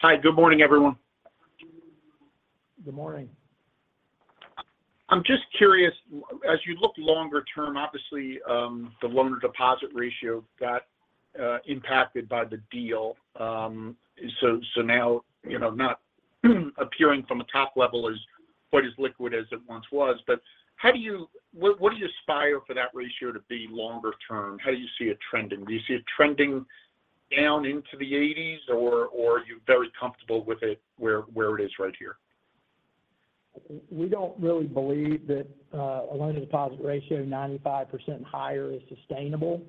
Hi, good morning, everyone. Good morning. I'm just curious, as you look longer term, obviously, the loan-to-deposit ratio got impacted by the deal. So now, you know, not, appearing from a top level as quite as liquid as it once was. What, what do you aspire for that ratio to be longer term? How do you see it trending? Do you see it trending down into the 80s, or, or are you very comfortable with it where, where it is right here? We don't really believe that a loan-to-deposit ratio of 95% higher is sustainable.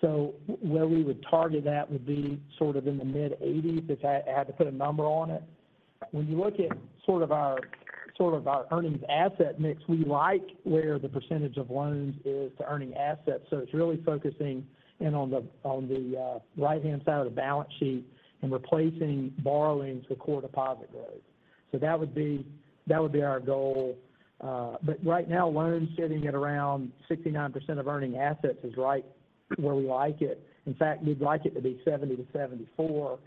Where we would target that would be sort of in the mid-80s, if I had to put a number on it. When you look at sort of our, sort of our earnings asset mix, we like where the percentage of loans is to earning assets. It's really focusing in on the, on the right-hand side of the balance sheet and replacing borrowing to core deposit growth. That would be, that would be our goal. Right now, loans sitting at around 69% of earning assets is right where we like it. In fact, we'd like it to be 70-74,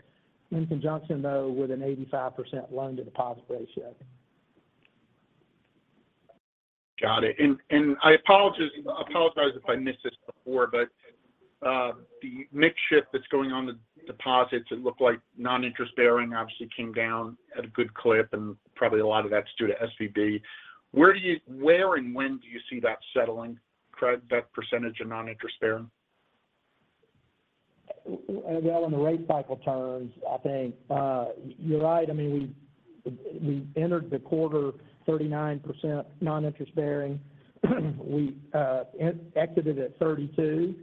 in conjunction, though, with an 85% loan-to-deposit ratio. Got it. I apologize, apologize if I missed this before. The mix shift that's going on with deposits, it looked like non-interest bearing obviously came down at a good clip, and probably a lot of that's due to SVB. Where and when do you see that settling, Craig, that percentage of non-interest bearing? Well, in the rate cycle terms, I think, you're right. I mean, we entered the quarter 39% non-interest bearing. We exited at 32.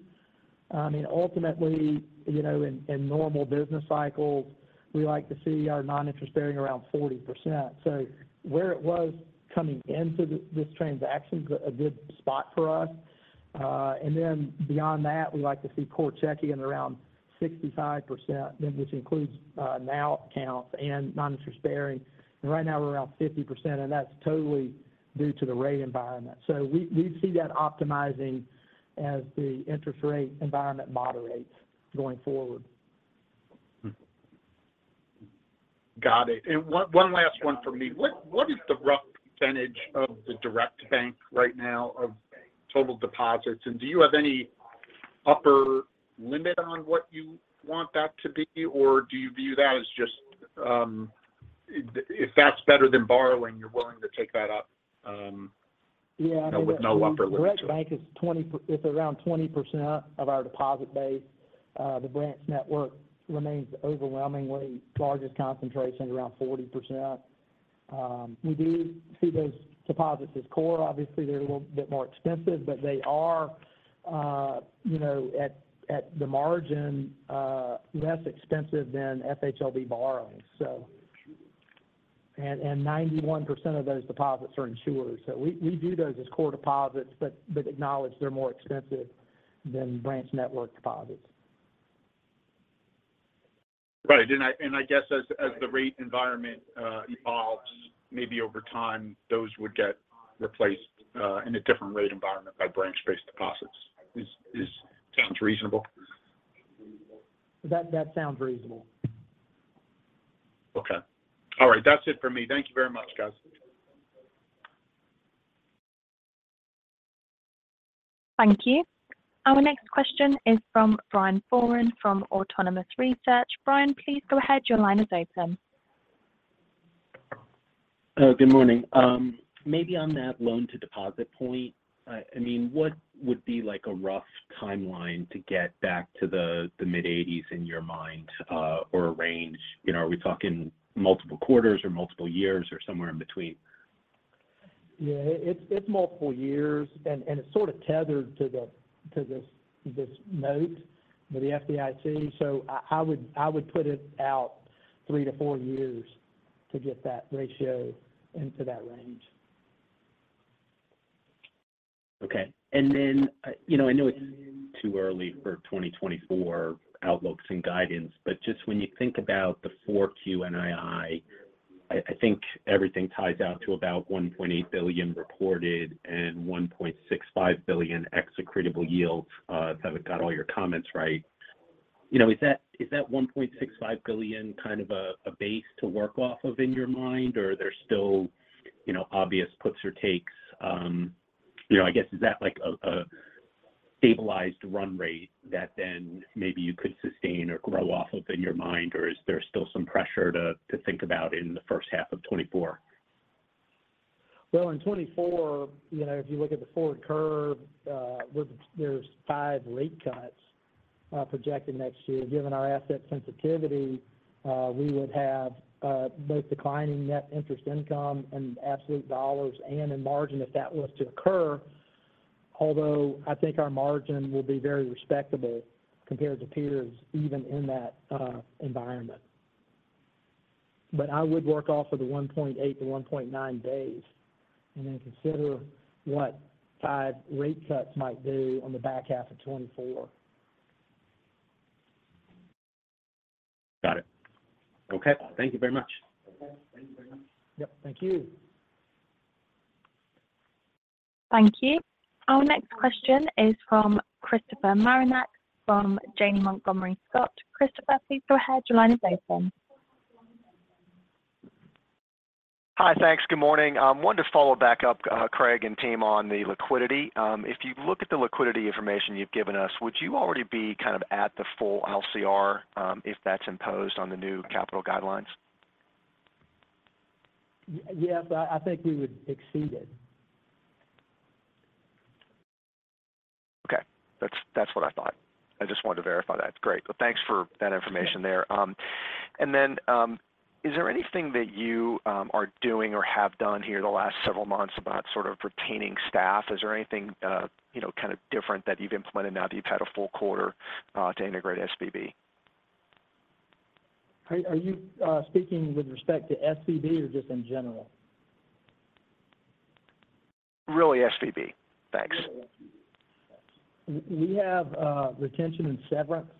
I mean, ultimately, you know, in normal business cycles, we like to see our non-interest bearing around 40%. Where it was coming into this transaction is a good spot for us. Beyond that, we like to see core checking around 65%, then which includes NOW accounts and non-interest bearing. Right now we're around 50%, and that's totally due to the rate environment. We see that optimizing as the interest rate environment moderates going forward. Got it. One, one last one for me. What, what is the rough % of the direct bank right now of total deposits? Do you have any upper limit on what you want that to be, or do you view that as just, if that's better than borrowing, you're willing to take that up? Yeah. With no upper limit? Direct bank is 20 it's around 20% of our deposit base. The branch network remains overwhelmingly the largest concentration, around 40%. We do see those deposits as core. Obviously, they're a little bit more expensive, but they are, you know, at, at the margin, less expensive than FHLB borrowing, so. 91% of those deposits are insurers. We, we view those as core deposits, acknowledge they're more expensive than branch network deposits. Right. I, and I guess as, as the rate environment, evolves, maybe over time, those would get replaced, in a different rate environment by branch-based deposits. Sounds reasonable? That, that sounds reasonable. Okay. All right, that's it for me. Thank you very much, guys. Thank you. Our next question is from Brian Foran from Autonomous Research. Brian, please go ahead. Your line is open. Good morning. Maybe on that loan-to-deposit point, I mean, what would be like a rough timeline to get back to the, the mid-80s in your mind, or a range? You know, are we talking multiple quarters, or multiple years, or somewhere in between? Yeah, it, it's, it's multiple years, and, and it's sort of tethered to the, to this, this note with the FDIC. I, I would, I would put it out 3 to 4 years to get that ratio into that range. Okay. You know, I know it's too early for 2024 outlooks and guidance, but just when you think about the Q4, I, I think everything ties out to about $1.8 billion reported and $1.65 billion accretable yields, if I got all your comments right. You know, is that, is that $1.65 billion kind of a, a base to work off of in your mind, or there's still, you know, obvious puts or takes? You know, I guess, is that like a, a stabilized run rate that then maybe you could sustain or grow off of in your mind, or is there still some pressure to, to think about in the first half of 2024? Well, in 2024, you know, if you look at the forward curve, there's 5 rate cuts projected next year. Given our asset sensitivity, we would have both declining net interest income and absolute dollars and in margin if that was to occur. Although, I think our margin will be very respectable compared to peers, even in that environment. I would work off of the 1.8-1.9 base, and then consider what 5 rate cuts might do on the back half of 2024. Got it. Okay. Thank you very much. Yep, thank you. Thank you. Our next question is from Christopher Marinak, from Janney Montgomery Scott. Christopher, please go ahead. Your line is open. Hi, thanks. Good morning. Wanted to follow back up, Craig and team, on the liquidity. If you look at the liquidity information you've given us, would you already be kind of at the full LCR, if that's imposed on the new capital guidelines? Yes, I, I think we would exceed it. Okay. That's, that's what I thought. I just wanted to verify that. Great. Well, thanks for that information there. Yeah. Is there anything that you are doing or have done here the last several months about sort of retaining staff? Is there anything, you know, kind of different that you've implemented now that you've had a full quarter to integrate SVB? Are you speaking with respect to SVB or just in general? Really SVB. Thanks. We have retention and severance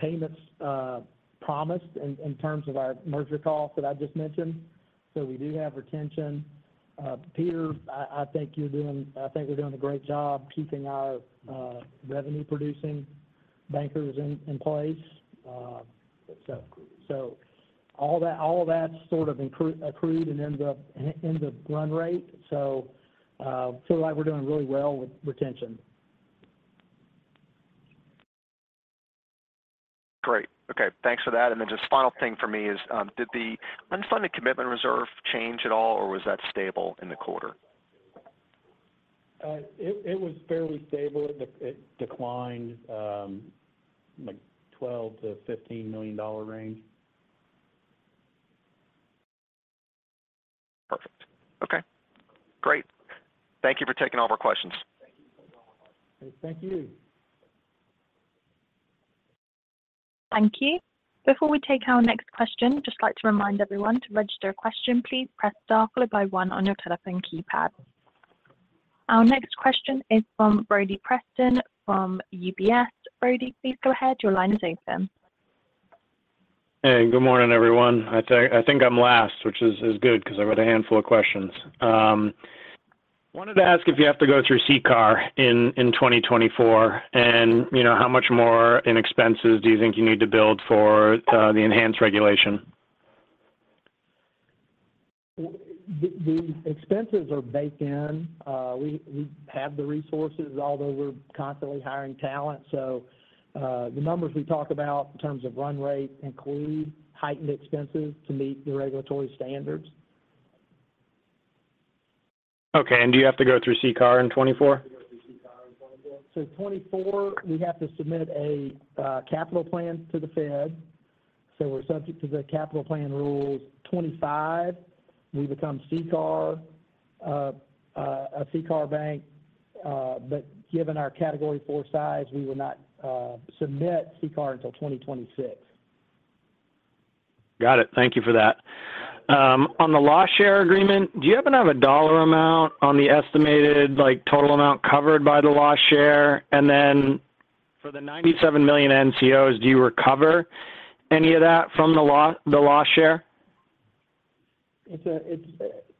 payments promised in terms of our merger costs that I just mentioned. We do have retention. Peter, I think we're doing a great job keeping our revenue-producing bankers in place. All of that's sort of accrued and in the run rate. Feel like we're doing really well with retention. Great. Okay, thanks for that. Then just final thing for me is, did the unfunded commitment reserve change at all, or was that stable in the quarter? It was fairly stable. It declined, like $12-$15 million range. Perfect. Okay, great. Thank you for taking all of our questions. Thank you. Thank you. Before we take our next question, just like to remind everyone, to register a question, please press star followed by one on your telephone keypad. Our next question is from Brody Preston, from UBS. Brody, please go ahead. Your line is open. Hey, good morning, everyone. I think I'm last, which is good because I've got a handful of questions. Wanted to ask if you have to go through CCAR in 2024, and you know, how much more in expenses do you think you need to build for the enhanced regulation? The, the expenses are baked in. We, we have the resources, although we're constantly hiring talent. The numbers we talk about in terms of run rate include heightened expenses to meet the regulatory standards. Okay. Do you have to go through CCAR in 2024? 2024, we have to submit a capital plan to the Fed, so we're subject to the capital plan rules. 2025, we become CCAR a CCAR bank, but given our Category 4 size, we will not submit CCAR until 2026. Got it. Thank you for that. On the loss share agreement, do you happen to have a dollar amount on the estimated, like, total amount covered by the loss share? For the $97 million NCOs, do you recover any of that from the loss share? It's it's,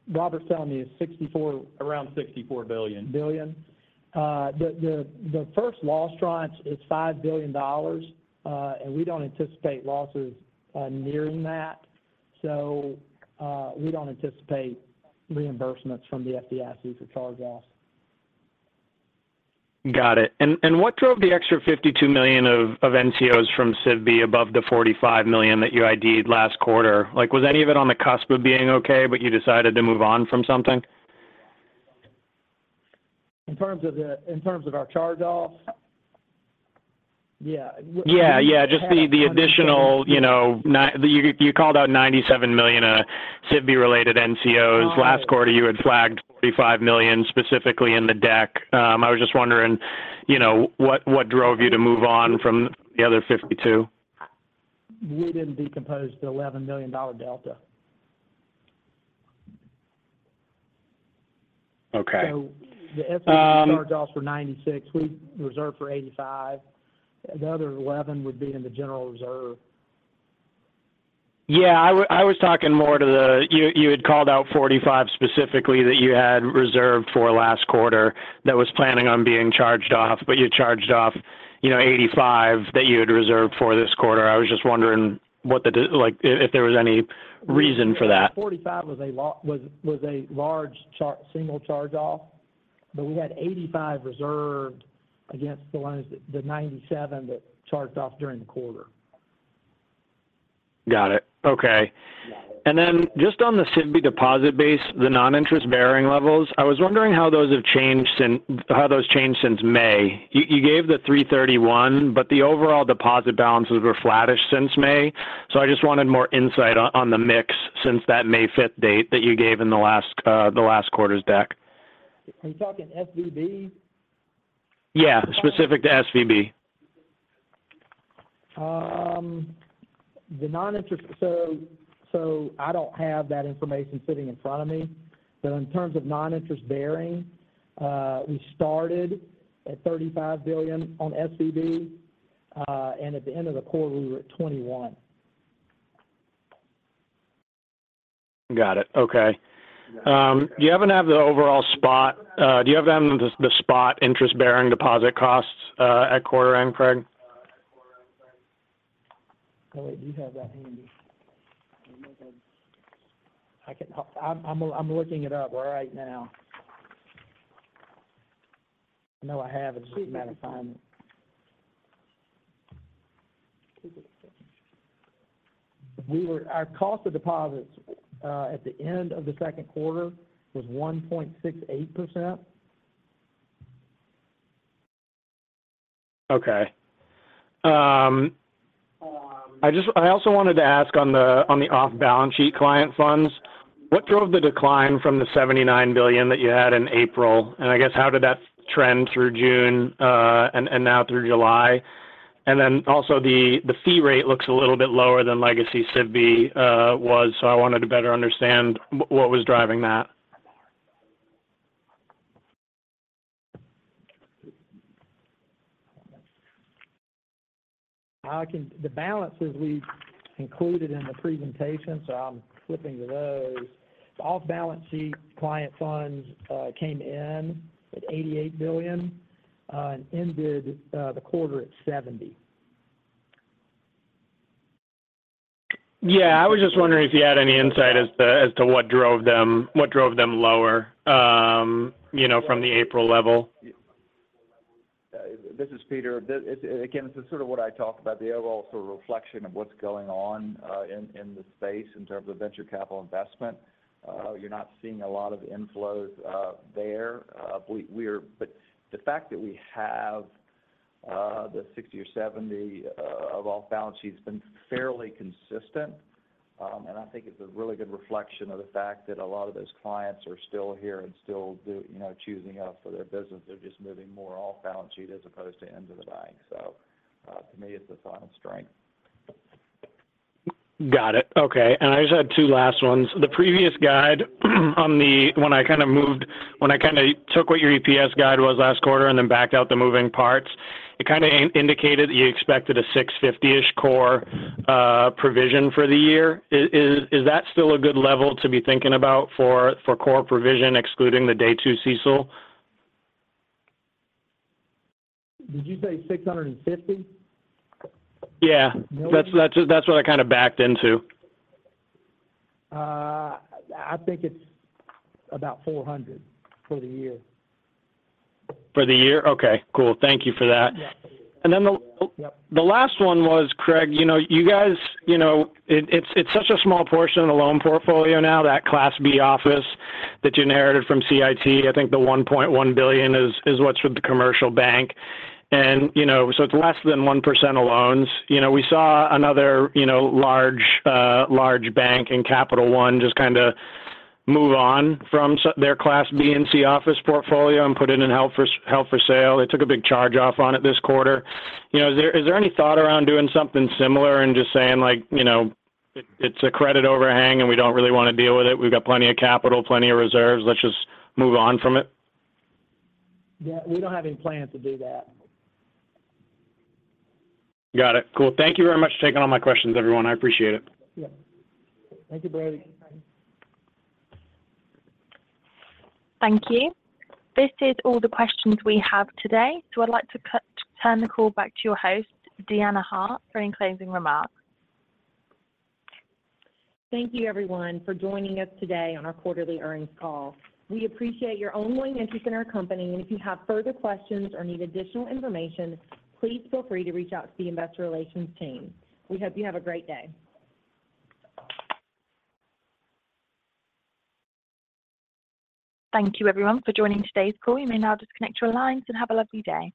Robert's telling me it's 64- Around $64 billion. -billion. The, the, the first loss tranche is $5 billion, and we don't anticipate losses nearing that, so we don't anticipate reimbursements from the FDIC for charge-offs. Got it. What drove the extra $52 million of, of NCOs from SVB above the $45 million that you ID'd last quarter? Like, was any of it on the cusp of being okay, but you decided to move on from something? In terms of our charge-offs? Yeah. Yeah, yeah. Just the, the additional, you know, you, you called out $97 million SVB-related NCOs. Right. Last quarter, you had flagged $45 million specifically in the deck. I was just wondering, you know, what, what drove you to move on from the other 52? We didn't decompose the $11 million delta. Okay. The charge-offs were $96. We reserved for $85. The other $11 would be in the general reserve. Yeah, I was talking more to the. You had called out $45 specifically that you had reserved for last quarter that was planning on being charged off, but you charged off, you know, $85 that you had reserved for this quarter. I was just wondering what the like, if there was any reason for that? 45 was a large single charge-off, but we had 85 reserved against the ones that, the 97 that charged off during the quarter. Got it. Okay. Got it. Just on the SVB deposit base, the non-interest bearing levels, I was wondering how those changed since May. You gave the 3/31. The overall deposit balances were flattish since May. I just wanted more insight on the mix since that May 5th date that you gave in the last quarter's deck. Are you talking SVB? Yeah, specific to SVB. The non-interest... I don't have that information sitting in front of me, but in terms of non-interest bearing, we started at $35 billion on SVB, and at the end of the quarter, we were at $21 billion. Got it. Okay. Yeah. Do you happen to have the, the spot interest-bearing deposit costs at quarter end, Craig? Oh, wait, you have that handy. I can... I'm looking it up right now. I know I have it, it's just a matter of time. Our cost of deposits at the end of the Q2 was 1.68%. Okay. I also wanted to ask on the, on the off-balance sheet client funds, what drove the decline from the $79 billion that you had in April? I guess, how did that trend through June, and now through July? Also the, the fee rate looks a little bit lower than legacy SVB was, so I wanted to better understand what was driving that. The balances we've included in the presentation, so I'm flipping to those. Off-balance sheet client funds, came in at $88 billion, and ended the quarter at $70. Yeah. I was just wondering if you had any insight as to, as to what drove them, what drove them lower, you know, from the April level. This is Peter. Again, this is sort of what I talked about, the overall sort of reflection of what's going on in the space in terms of venture capital investment. You're not seeing a lot of inflows there. But the fact that we have the 60 or 70 of off balance sheet has been fairly consistent, and I think it's a really good reflection of the fact that a lot of those clients are still here and still do, you know, choosing us for their business. They're just moving more off balance sheet as opposed to into the bank. To me, it's a sign of strength. Got it. Okay. I just had two last ones. The previous guide, when I kind of took what your EPS guide was last quarter and then backed out the moving parts, it kind of indicated that you expected a $650 core provision for the year. Is that still a good level to be thinking about for core provision, excluding the day two CECL? Did you say 650? Yeah. Million? That's what I kind of backed into. I think it's about $400 for the year. For the year? Okay, cool. Thank you for that. Yeah. And then the- Yep. The last one was, Craig, you know, you guys, you know, it, it's, it's such a small portion of the loan portfolio now, that Class B office that you inherited from CIT. I think the $1.1 billion is, is what's with the commercial bank, and, you know, so it's less than 1% of loans. You know, we saw another, you know, large, large bank in Capital One just kind of move on from their Class B and C office portfolio and put it in held for, held for sale. They took a big charge-off on it this quarter. You know, is there, is there any thought around doing something similar and just saying, like, "You know, it, it's a credit overhang and we don't really want to deal with it. We've got plenty of capital, plenty of reserves. Let's just move on from it? Yeah, we don't have any plans to do that. Got it. Cool. Thank you very much for taking all my questions, everyone. I appreciate it. Yeah. Thank you, Brody. Thank you. This is all the questions we have today, so I'd like to turn the call back to your host, Deanna Hart, for any closing remarks. Thank you, everyone, for joining us today on our quarterly earnings call. We appreciate your ongoing interest in our company, and if you have further questions or need additional information, please feel free to reach out to the investor relations team. We hope you have a great day. Thank you, everyone, for joining today's call. You may now disconnect your lines and have a lovely day.